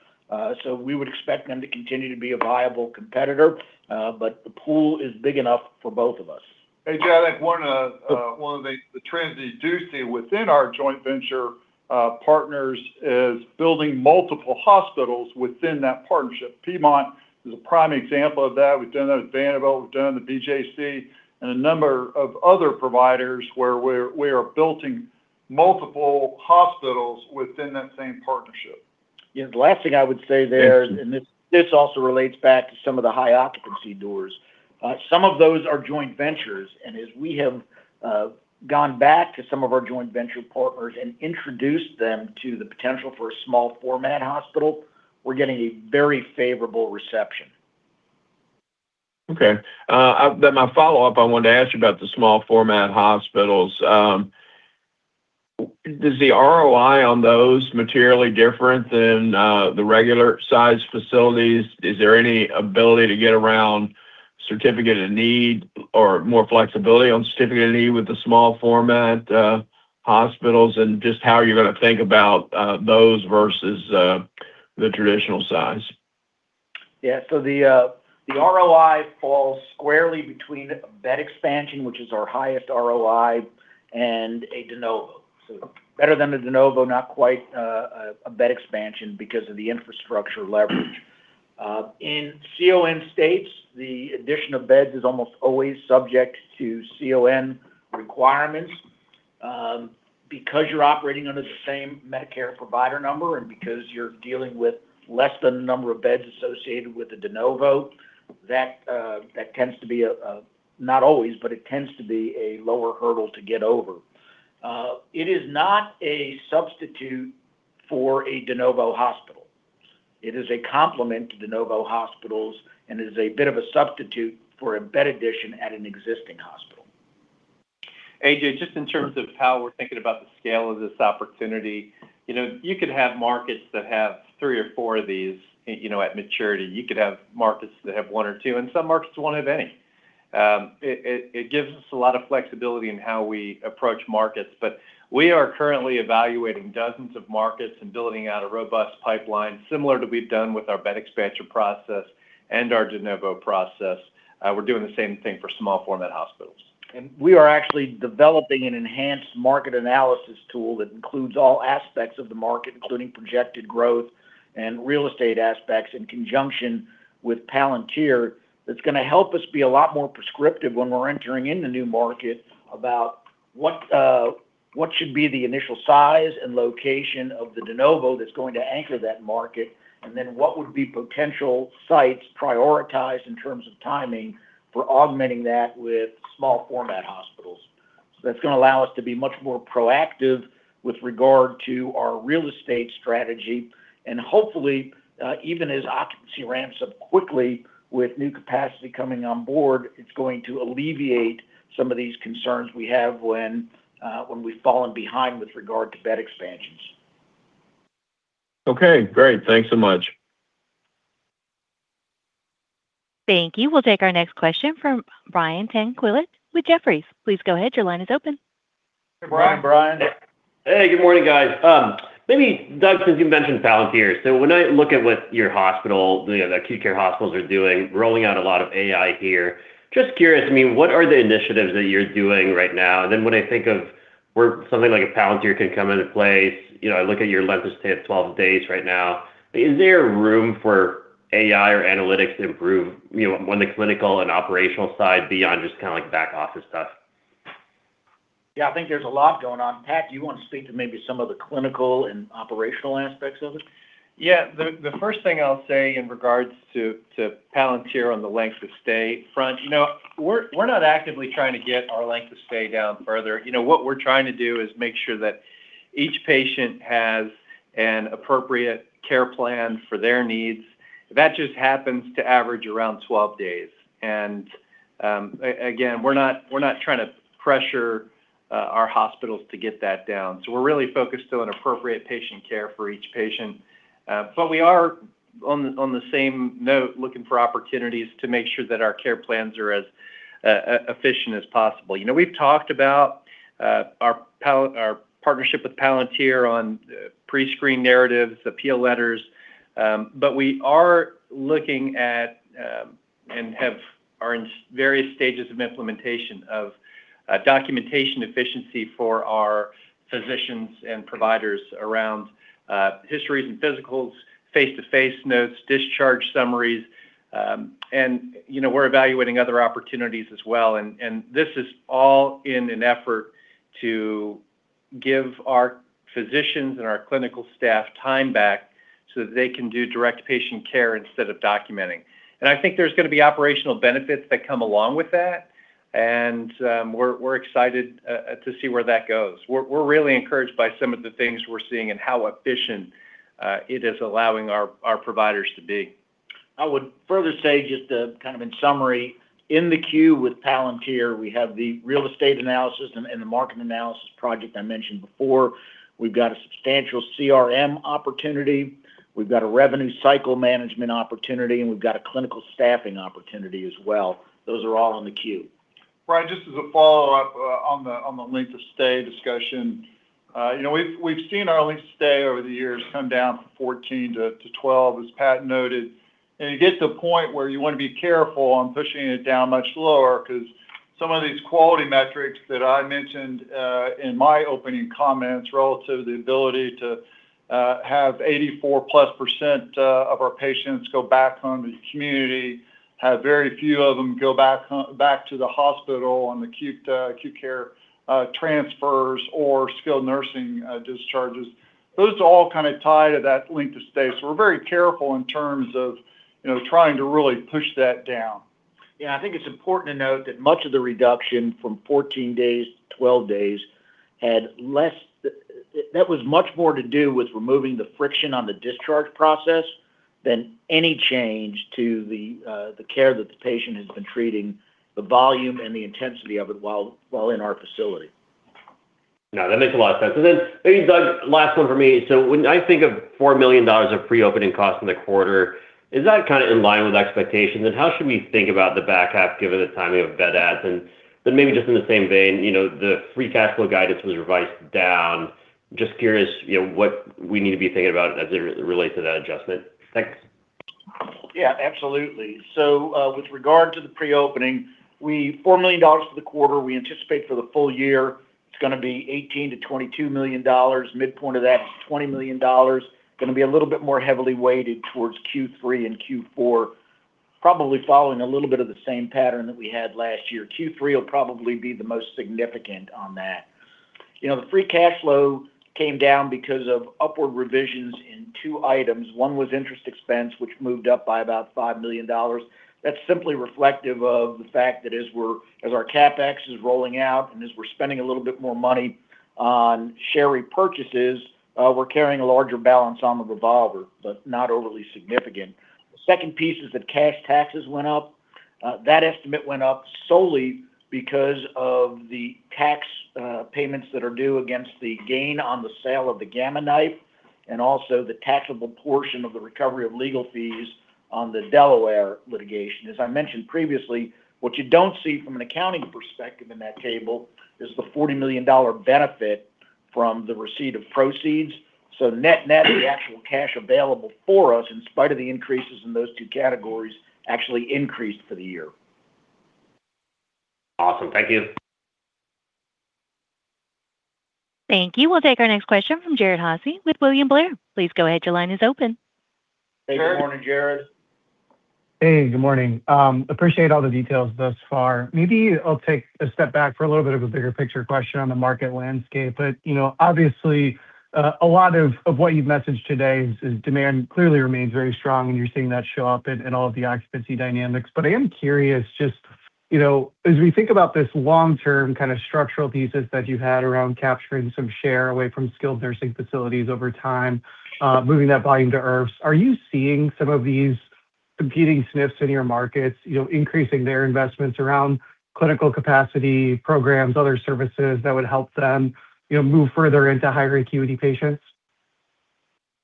We would expect them to continue to be a viable competitor. The pool is big enough for both of us. A.J., I think one of, one of the trends that you do see within our joint venture partners is building multiple hospitals within that partnership. Piedmont is a prime example of that. We've done that with Vanderbilt, we've done the BJC, and a number of other providers where we are building multiple hospitals within that same partnership. Yeah. The last thing I would say there. Thank you. This also relates back to some of the high occupancy doors. Some of those are joint ventures. As we have gone back to some of our joint venture partners and introduced them to the potential for a small format hospital, we're getting a very favorable reception. Okay. My follow-up, I wanted to ask you about the small format hospitals. Does the ROI on those materially different than the regular sized facilities? Is there any ability to get around certificate of need or more flexibility on certificate of need with the small format hospitals? Just how you're gonna think about those versus the traditional size? Yeah. The ROI falls squarely between a bed expansion, which is our highest ROI, and a de novo. Better than the de novo, not quite a bed expansion because of the infrastructure leverage. In CON states, the addition of beds is almost always subject to CON requirements. Because you're operating under the same Medicare provider number and because you're dealing with less than the number of beds associated with the de novo, that tends to be a, not always, but it tends to be a lower hurdle to get over. It is not a substitute for a de novo hospital. It is a complement to de novo hospitals, and it is a bit of a substitute for a bed addition at an existing hospital. A.J., just in terms of how we're thinking about the scale of this opportunity. You know, you could have markets that have three or four of these, you know, at maturity. You could have markets that have one or two, and some markets won't have any. It gives us a lot of flexibility in how we approach markets. We are currently evaluating dozens of markets and building out a robust pipeline similar to we've done with our bed expansion process and our de novo process. We're doing the same thing for small format hospitals. We are actually developing an enhanced market analysis tool that includes all aspects of the market, including projected growth and real estate aspects, in conjunction with Palantir, that's going to help us be a lot more prescriptive when we're entering into new markets about what should be the initial size and location of the de novo that's going to anchor that market, and then what would be potential sites prioritized in terms of timing for augmenting that with small format hospitals. That's going to allow us to be much more proactive with regard to our real estate strategy, and hopefully, even as occupancy ramps up quickly with new capacity coming on board, it's going to alleviate some of these concerns we have when we've fallen behind with regard to bed expansions. Okay. Great. Thanks so much. Thank you. We'll take our next question from Brian Tanquilut with Jefferies. Please go ahead, your line is open. Hey, Brian. Hey, Brian. Hey. Good morning, guys. Maybe, Doug, since you mentioned Palantir, so when I look at what your hospital, you know, the acute care hospitals are doing, rolling out a lot of AI here, just curious, I mean, what are the initiatives that you're doing right now? When I think of where something like a Palantir can come into play, you know, I look at your length of stay at 12 days right now, is there room for AI or analytics to improve, you know, on the clinical and operational side beyond just kinda like back office stuff? Yeah, I think there's a lot going on. Pat, do you want to speak to maybe some of the clinical and operational aspects of it? The first thing I'll say in regards to Palantir on the length of stay front, you know, we're not actively trying to get our length of stay down further. You know, what we're trying to do is make sure that each patient has an appropriate care plan for their needs. That just happens to average around 12 days. Again, we're not trying to pressure our hospitals to get that down. We're really focused on appropriate patient care for each patient. We are on the same note looking for opportunities to make sure that our care plans are as efficient as possible. You know, we've talked about our partnership with Palantir on pre-screen narratives, appeal letters, we are looking at and have are in various stages of implementation of documentation efficiency for our physicians and providers around histories and physicals, face-to-face notes, discharge summaries. You know, we're evaluating other opportunities as well. This is all in an effort to give our physicians and our clinical staff time back so that they can do direct patient care instead of documenting. I think there's gonna be operational benefits that come along with that, and we're excited to see where that goes. We're really encouraged by some of the things we're seeing and how efficient it is allowing our providers to be. I would further say, just, kind of in summary, in the queue with Palantir, we have the real estate analysis and the market analysis project I mentioned before. We've got a substantial CRM opportunity. We've got a revenue cycle management opportunity, and we've got a clinical staffing opportunity as well. Those are all in the queue. Brian, just as a follow-up, on the length of stay discussion. You know, we've seen our length of stay over the years come down from 14 to 12, as Pat noted, and it gets to a point where you wanna be careful on pushing it down much lower. 'Cause some of these quality metrics that I mentioned in my opening comments relative to the ability to have 84%+ of our patients go back home to the community, have very few of them go back home, back to the hospital on acute care transfers or skilled nursing discharges, those all kind of tie to that length of stay. We're very careful in terms of, you know, trying to really push that down. Yeah, I think it's important to note that much of the reduction from 14 days to 12 days that was much more to do with removing the friction on the discharge process than any change to the care that the patient has been treating, the volume and the intensity of it while in our facility. No, that makes a lot of sense. Maybe, Doug, last one from me. When I think of $4 million of pre-opening costs in the quarter, is that kind of in line with expectations? How should we think about the back half given the timing of bed adds? Maybe just in the same vein, you know, the free cash flow guidance was revised down. Just curious, you know, what we need to be thinking about as it relates to that adjustment. Thanks. Absolutely. With regard to the pre-opening, $4 million for the quarter. We anticipate for the full year it's gonna be $18 million-$22 million, midpoint of that is $20 million. Gonna be a little bit more heavily weighted towards Q3 and Q4, probably following a little bit of the same pattern that we had last year. Q3 will probably be the most significant on that. You know, the free cash flow came down because of upward revisions in two items. One was interest expense, which moved up by about $5 million. That's simply reflective of the fact that as our CapEx is rolling out and as we're spending a little bit more money on share repurchases, we're carrying a larger balance on the revolver, but not overly significant. The second piece is that cash taxes went up. That estimate went up solely because of the tax payments that are due against the gain on the sale of the Gamma Knife and also the taxable portion of the recovery of legal fees on the Delaware litigation. As I mentioned previously, what you don't see from an accounting perspective in that table is the $40 million benefit from the receipt of proceeds. Net-net, the actual cash available for us, in spite of the increases in those two categories, actually increased for the year. Awesome. Thank you. Thank you. We'll take our next question from Jared Haase with William Blair. Please go ahead. Hey, good morning, Jared. Hey, good morning. Appreciate all the details thus far. Maybe I'll take a step back for a little bit of a bigger picture question on the market landscape. You know, obviously, a lot of what you've messaged today is demand clearly remains very strong, you're seeing that show up in all of the occupancy dynamics. I am curious just, you know, as we think about this long-term kind of structural thesis that you had around capturing some share away from skilled nursing facilities over time, moving that volume to IRFs, are you seeing some of these competing SNFs in your markets, you know, increasing their investments around clinical capacity programs, other services that would help them, you know, move further into higher acuity patients?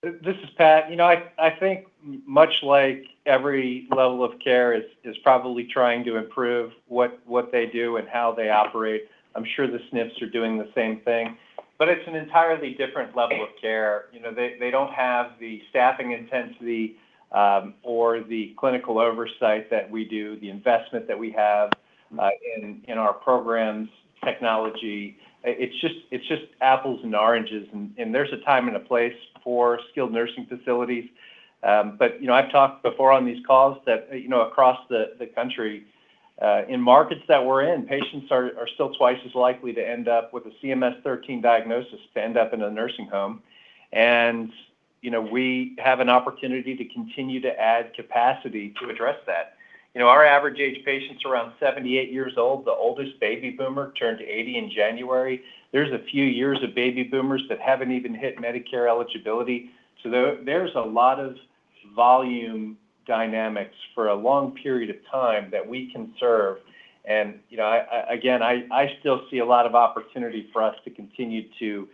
This is Pat. You know, I think much like every level of care is probably trying to improve what they do and how they operate, I'm sure the SNFs are doing the same thing. It's an entirely different level of care. You know, they don't have the staffing intensity or the clinical oversight that we do, the investment that we have in our programs, technology. It's just apples and oranges. There's a time and a place for skilled nursing facilities. You know, I've talked before on these calls that, you know, across the country in markets that we're in, patients are still twice as likely to end up with a CMS 13 diagnosis to end up in a nursing home. You know, we have an opportunity to continue to add capacity to address that. You know, our average age patient's around 78 years old. The oldest baby boomer turned 80 in January. There's a few years of baby boomers that haven't even hit Medicare eligibility. There's a lot of volume dynamics for a long period of time that we can serve. You know, I still see a lot of opportunity for us to continue to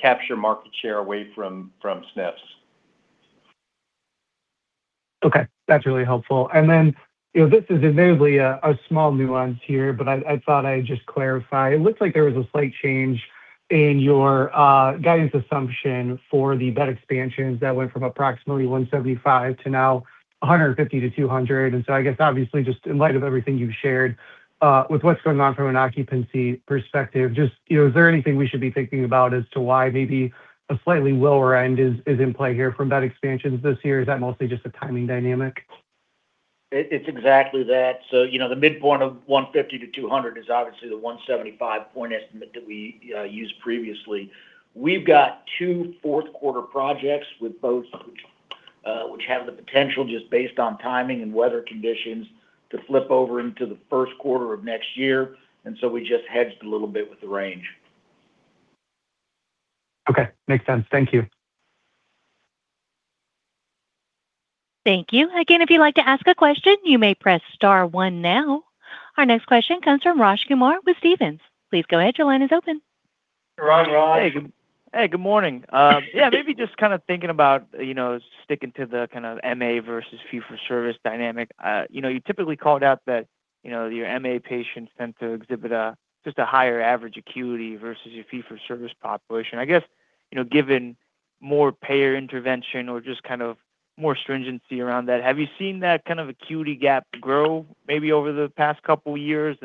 capture market share away from SNFs. Okay. That's really helpful. You know, this is admittedly a small nuance here, but I thought I'd just clarify. It looks like there was a slight change in your guidance assumption for the bed expansions that went from approximately 175 to now 150-200. I guess, obviously, just in light of everything you've shared with what's going on from an occupancy perspective, just, you know, is there anything we should be thinking about as to why maybe a slightly lower end is in play here from bed expansions this year? Is that mostly just a timing dynamic? It's exactly that. You know, the midpoint of 150 to 200 is obviously the 175 point estimate that we used previously. We've got two fourth quarter projects with both which have the potential just based on timing and weather conditions to flip over into the first quarter of next year. We just hedged a little bit with the range. Okay. Makes sense. Thank you. Thank you. Again, if you'd like to ask a question, you may press star one now. Our next question comes from Raj Kumar with Stephens. Please go ahead. Your line is open. Hi, Raj, you're on. Hey, good morning. Yeah, maybe just kind of thinking about, you know, sticking to the kind of MA versus fee for service dynamic. You know, you typically called out that, you know, your MA patients tend to exhibit a just a higher average acuity versus your fee for service population. I guess, you know, given more payer intervention or just kind of more stringency around that, have you seen that kind of acuity gap grow maybe over the past couple years?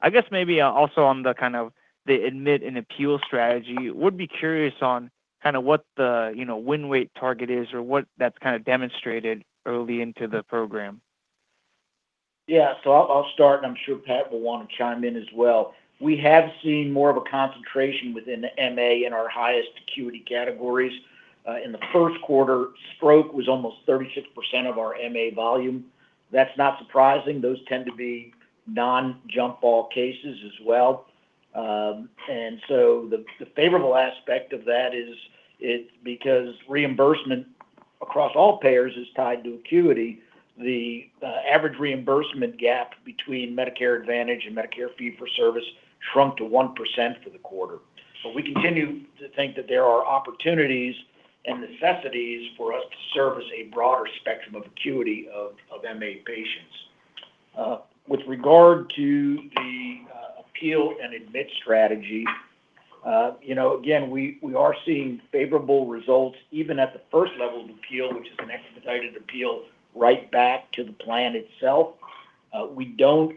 I guess maybe, also on the kind of the admit and appeal strategy, would be curious on kinda what the, you know, win-rate target is or what that's kinda demonstrated early into the program. Yeah. I'll start, and I'm sure Pat will wanna chime in as well. We have seen more of a concentration within the MA in our highest acuity categories. In the first quarter, stroke was almost 36% of our MA volume. That's not surprising. Those tend to be non-jump ball cases as well. The favorable aspect of that is because reimbursement across all payers is tied to acuity, the average reimbursement gap between Medicare Advantage and Medicare fee for service shrunk to 1% for the quarter. We continue to think that there are opportunities and necessities for us to service a broader spectrum of acuity of MA patients. With regard to the appeal and admit strategy, you know, again, we are seeing favorable results even at the first level of appeal, which is an expedited appeal right back to the plan itself. We don't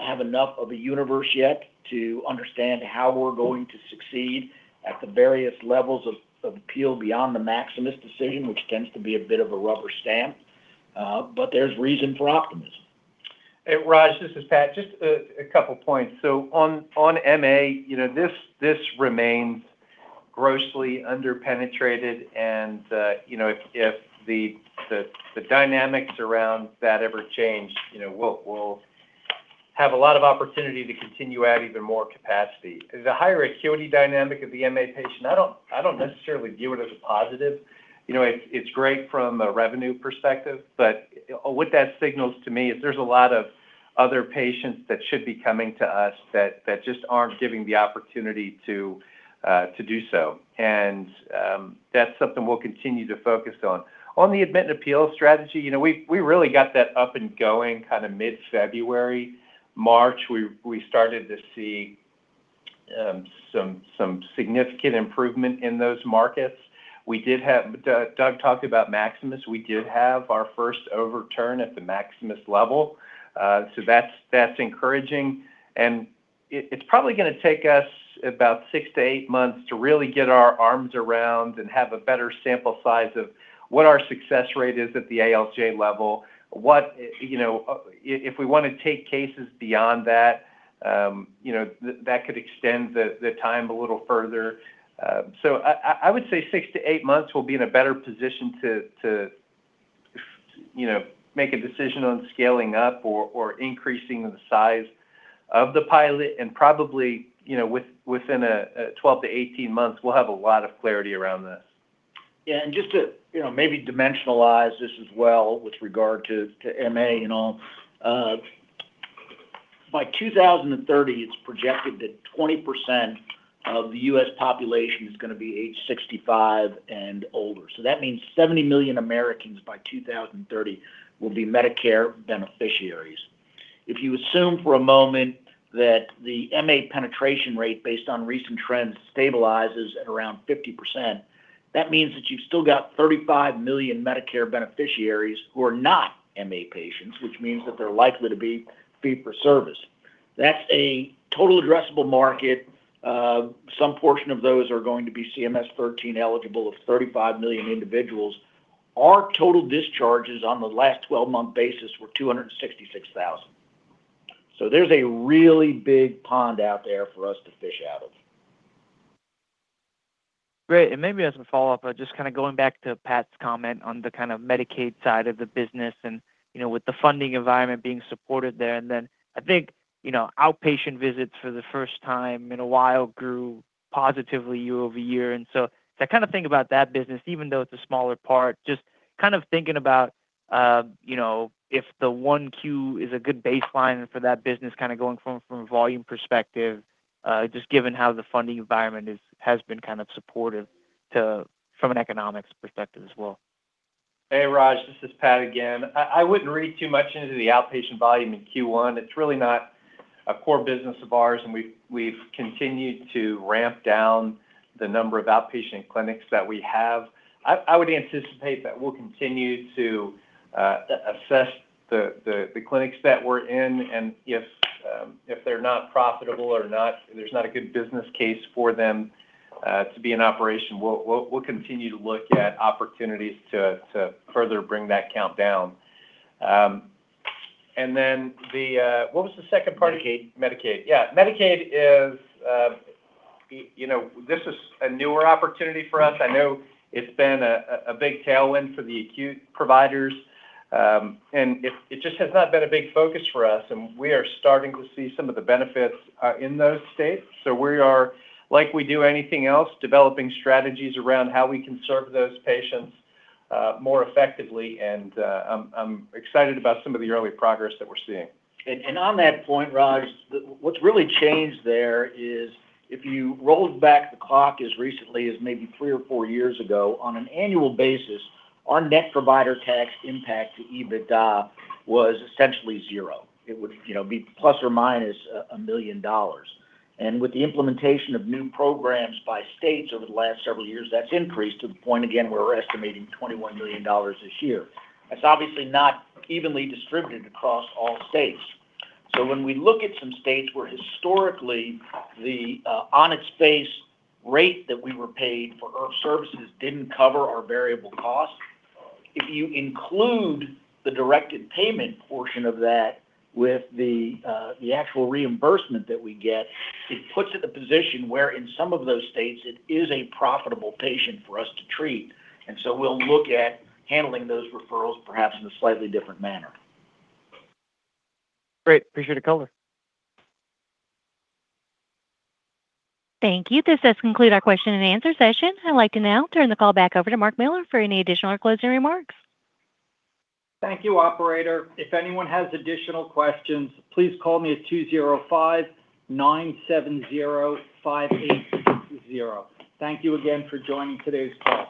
have enough of a universe yet to understand how we're going to succeed at the various levels of appeal beyond the Maximus decision, which tends to be a bit of a rubber stamp. But there's reason for optimism. Hey, Raj, this is Pat. Just a couple points. On MA, you know, this remains grossly under-penetrated. If the dynamics around that ever change, you know, we'll have a lot of opportunity to continue to add even more capacity. The higher acuity dynamic of the MA patient, I don't necessarily view it as a positive. You know, it's great from a revenue perspective, but what that signals to me is there's a lot of other patients that should be coming to us that just aren't given the opportunity to do so. That's something we'll continue to focus on. On the admit and appeal strategy, you know, we really got that up and going kind of mid-February, March. We started to see significant improvement in those markets. Doug talked about Maximus. We did have our first overturn at the Maximus level. That's encouraging. It's probably gonna take us about six to eight months to really get our arms around and have a better sample size of what our success rate is at the ALJ level. What, you know, if we wanna take cases beyond that, you know, that could extend the time a little further. I would say six to eight months we'll be in a better position to, you know, make a decision on scaling up or increasing the size of the pilot. Probably, you know, within 12 to 18 months we'll have a lot of clarity around this. Yeah, just to, you know, maybe dimensionalize this as well with regard to MA and all. By 2030, it's projected that 20% of the U.S. population is gonna be age 65 and older. That means 70 million Americans by 2030 will be Medicare beneficiaries. If you assume for a moment that the MA penetration rate, based on recent trends, stabilizes at around 50%, that means that you've still got 35 million Medicare beneficiaries who are not MA patients, which means that they're likely to be fee for service. That's a total addressable market. Some portion of those are going to be CMS 13 eligible of 35 million individuals. Our total discharges on the last 12-month basis were 266,000. There's a really big pond out there for us to fish out of. Great. Maybe as a follow-up, just kinda going back to Pat's comment on the kinda Medicaid side of the business and, you know, with the funding environment being supported there. Then I think, you know, outpatient visits for the first time in a while grew positively year-over-year. So to kinda think about that business, even though it's a smaller part, just kinda thinking about, you know, if the 1Q is a good baseline for that business kinda going from a volume perspective, just given how the funding environment is, has been kinda supportive to, from an economics perspective as well. Hey, Raj, this is Pat again. I wouldn't read too much into the outpatient volume in Q1. It's really not a core business of ours, and we've continued to ramp down the number of outpatient clinics that we have. I would anticipate that we'll continue to assess the clinics that we're in, and if they're not profitable or not, there's not a good business case for them to be in operation, we'll continue to look at opportunities to further bring that count down. The, what was the second part? Medicaid. Medicaid. Yeah. Medicaid is, you know, this is a newer opportunity for us. I know it's been a big tailwind for the acute providers. It just has not been a big focus for us, and we are starting to see some of the benefits in those states. We are, like we do anything else, developing strategies around how we can serve those patients more effectively. I'm excited about some of the early progress that we're seeing. On that point, Raj, what's really changed there is if you rolled back the clock as recently as maybe three or four years ago, on an annual basis our net provider tax impact to EBITDA was essentially zero. It would, you know, be plus or minus $1 million. With the implementation of new programs by states over the last several years, that's increased to the point, again, where we're estimating $21 million this year. That's obviously not evenly distributed across all states. When we look at some states where historically the on its face rate that we were paid for IRF services didn't cover our variable costs, if you include the directed payment portion of that with the actual reimbursement that we get, it puts it in a position where in some of those states it is a profitable patient for us to treat. We'll look at handling those referrals perhaps in a slightly different manner. Great. Appreciate the color. Thank you. This does conclude our question and answer session. I'd like to now turn the call back over to Mark Miller for any additional or closing remarks. Thank you, operator. If anyone has additional questions, please call me at 205-970-5860. Thank you again for joining today's call.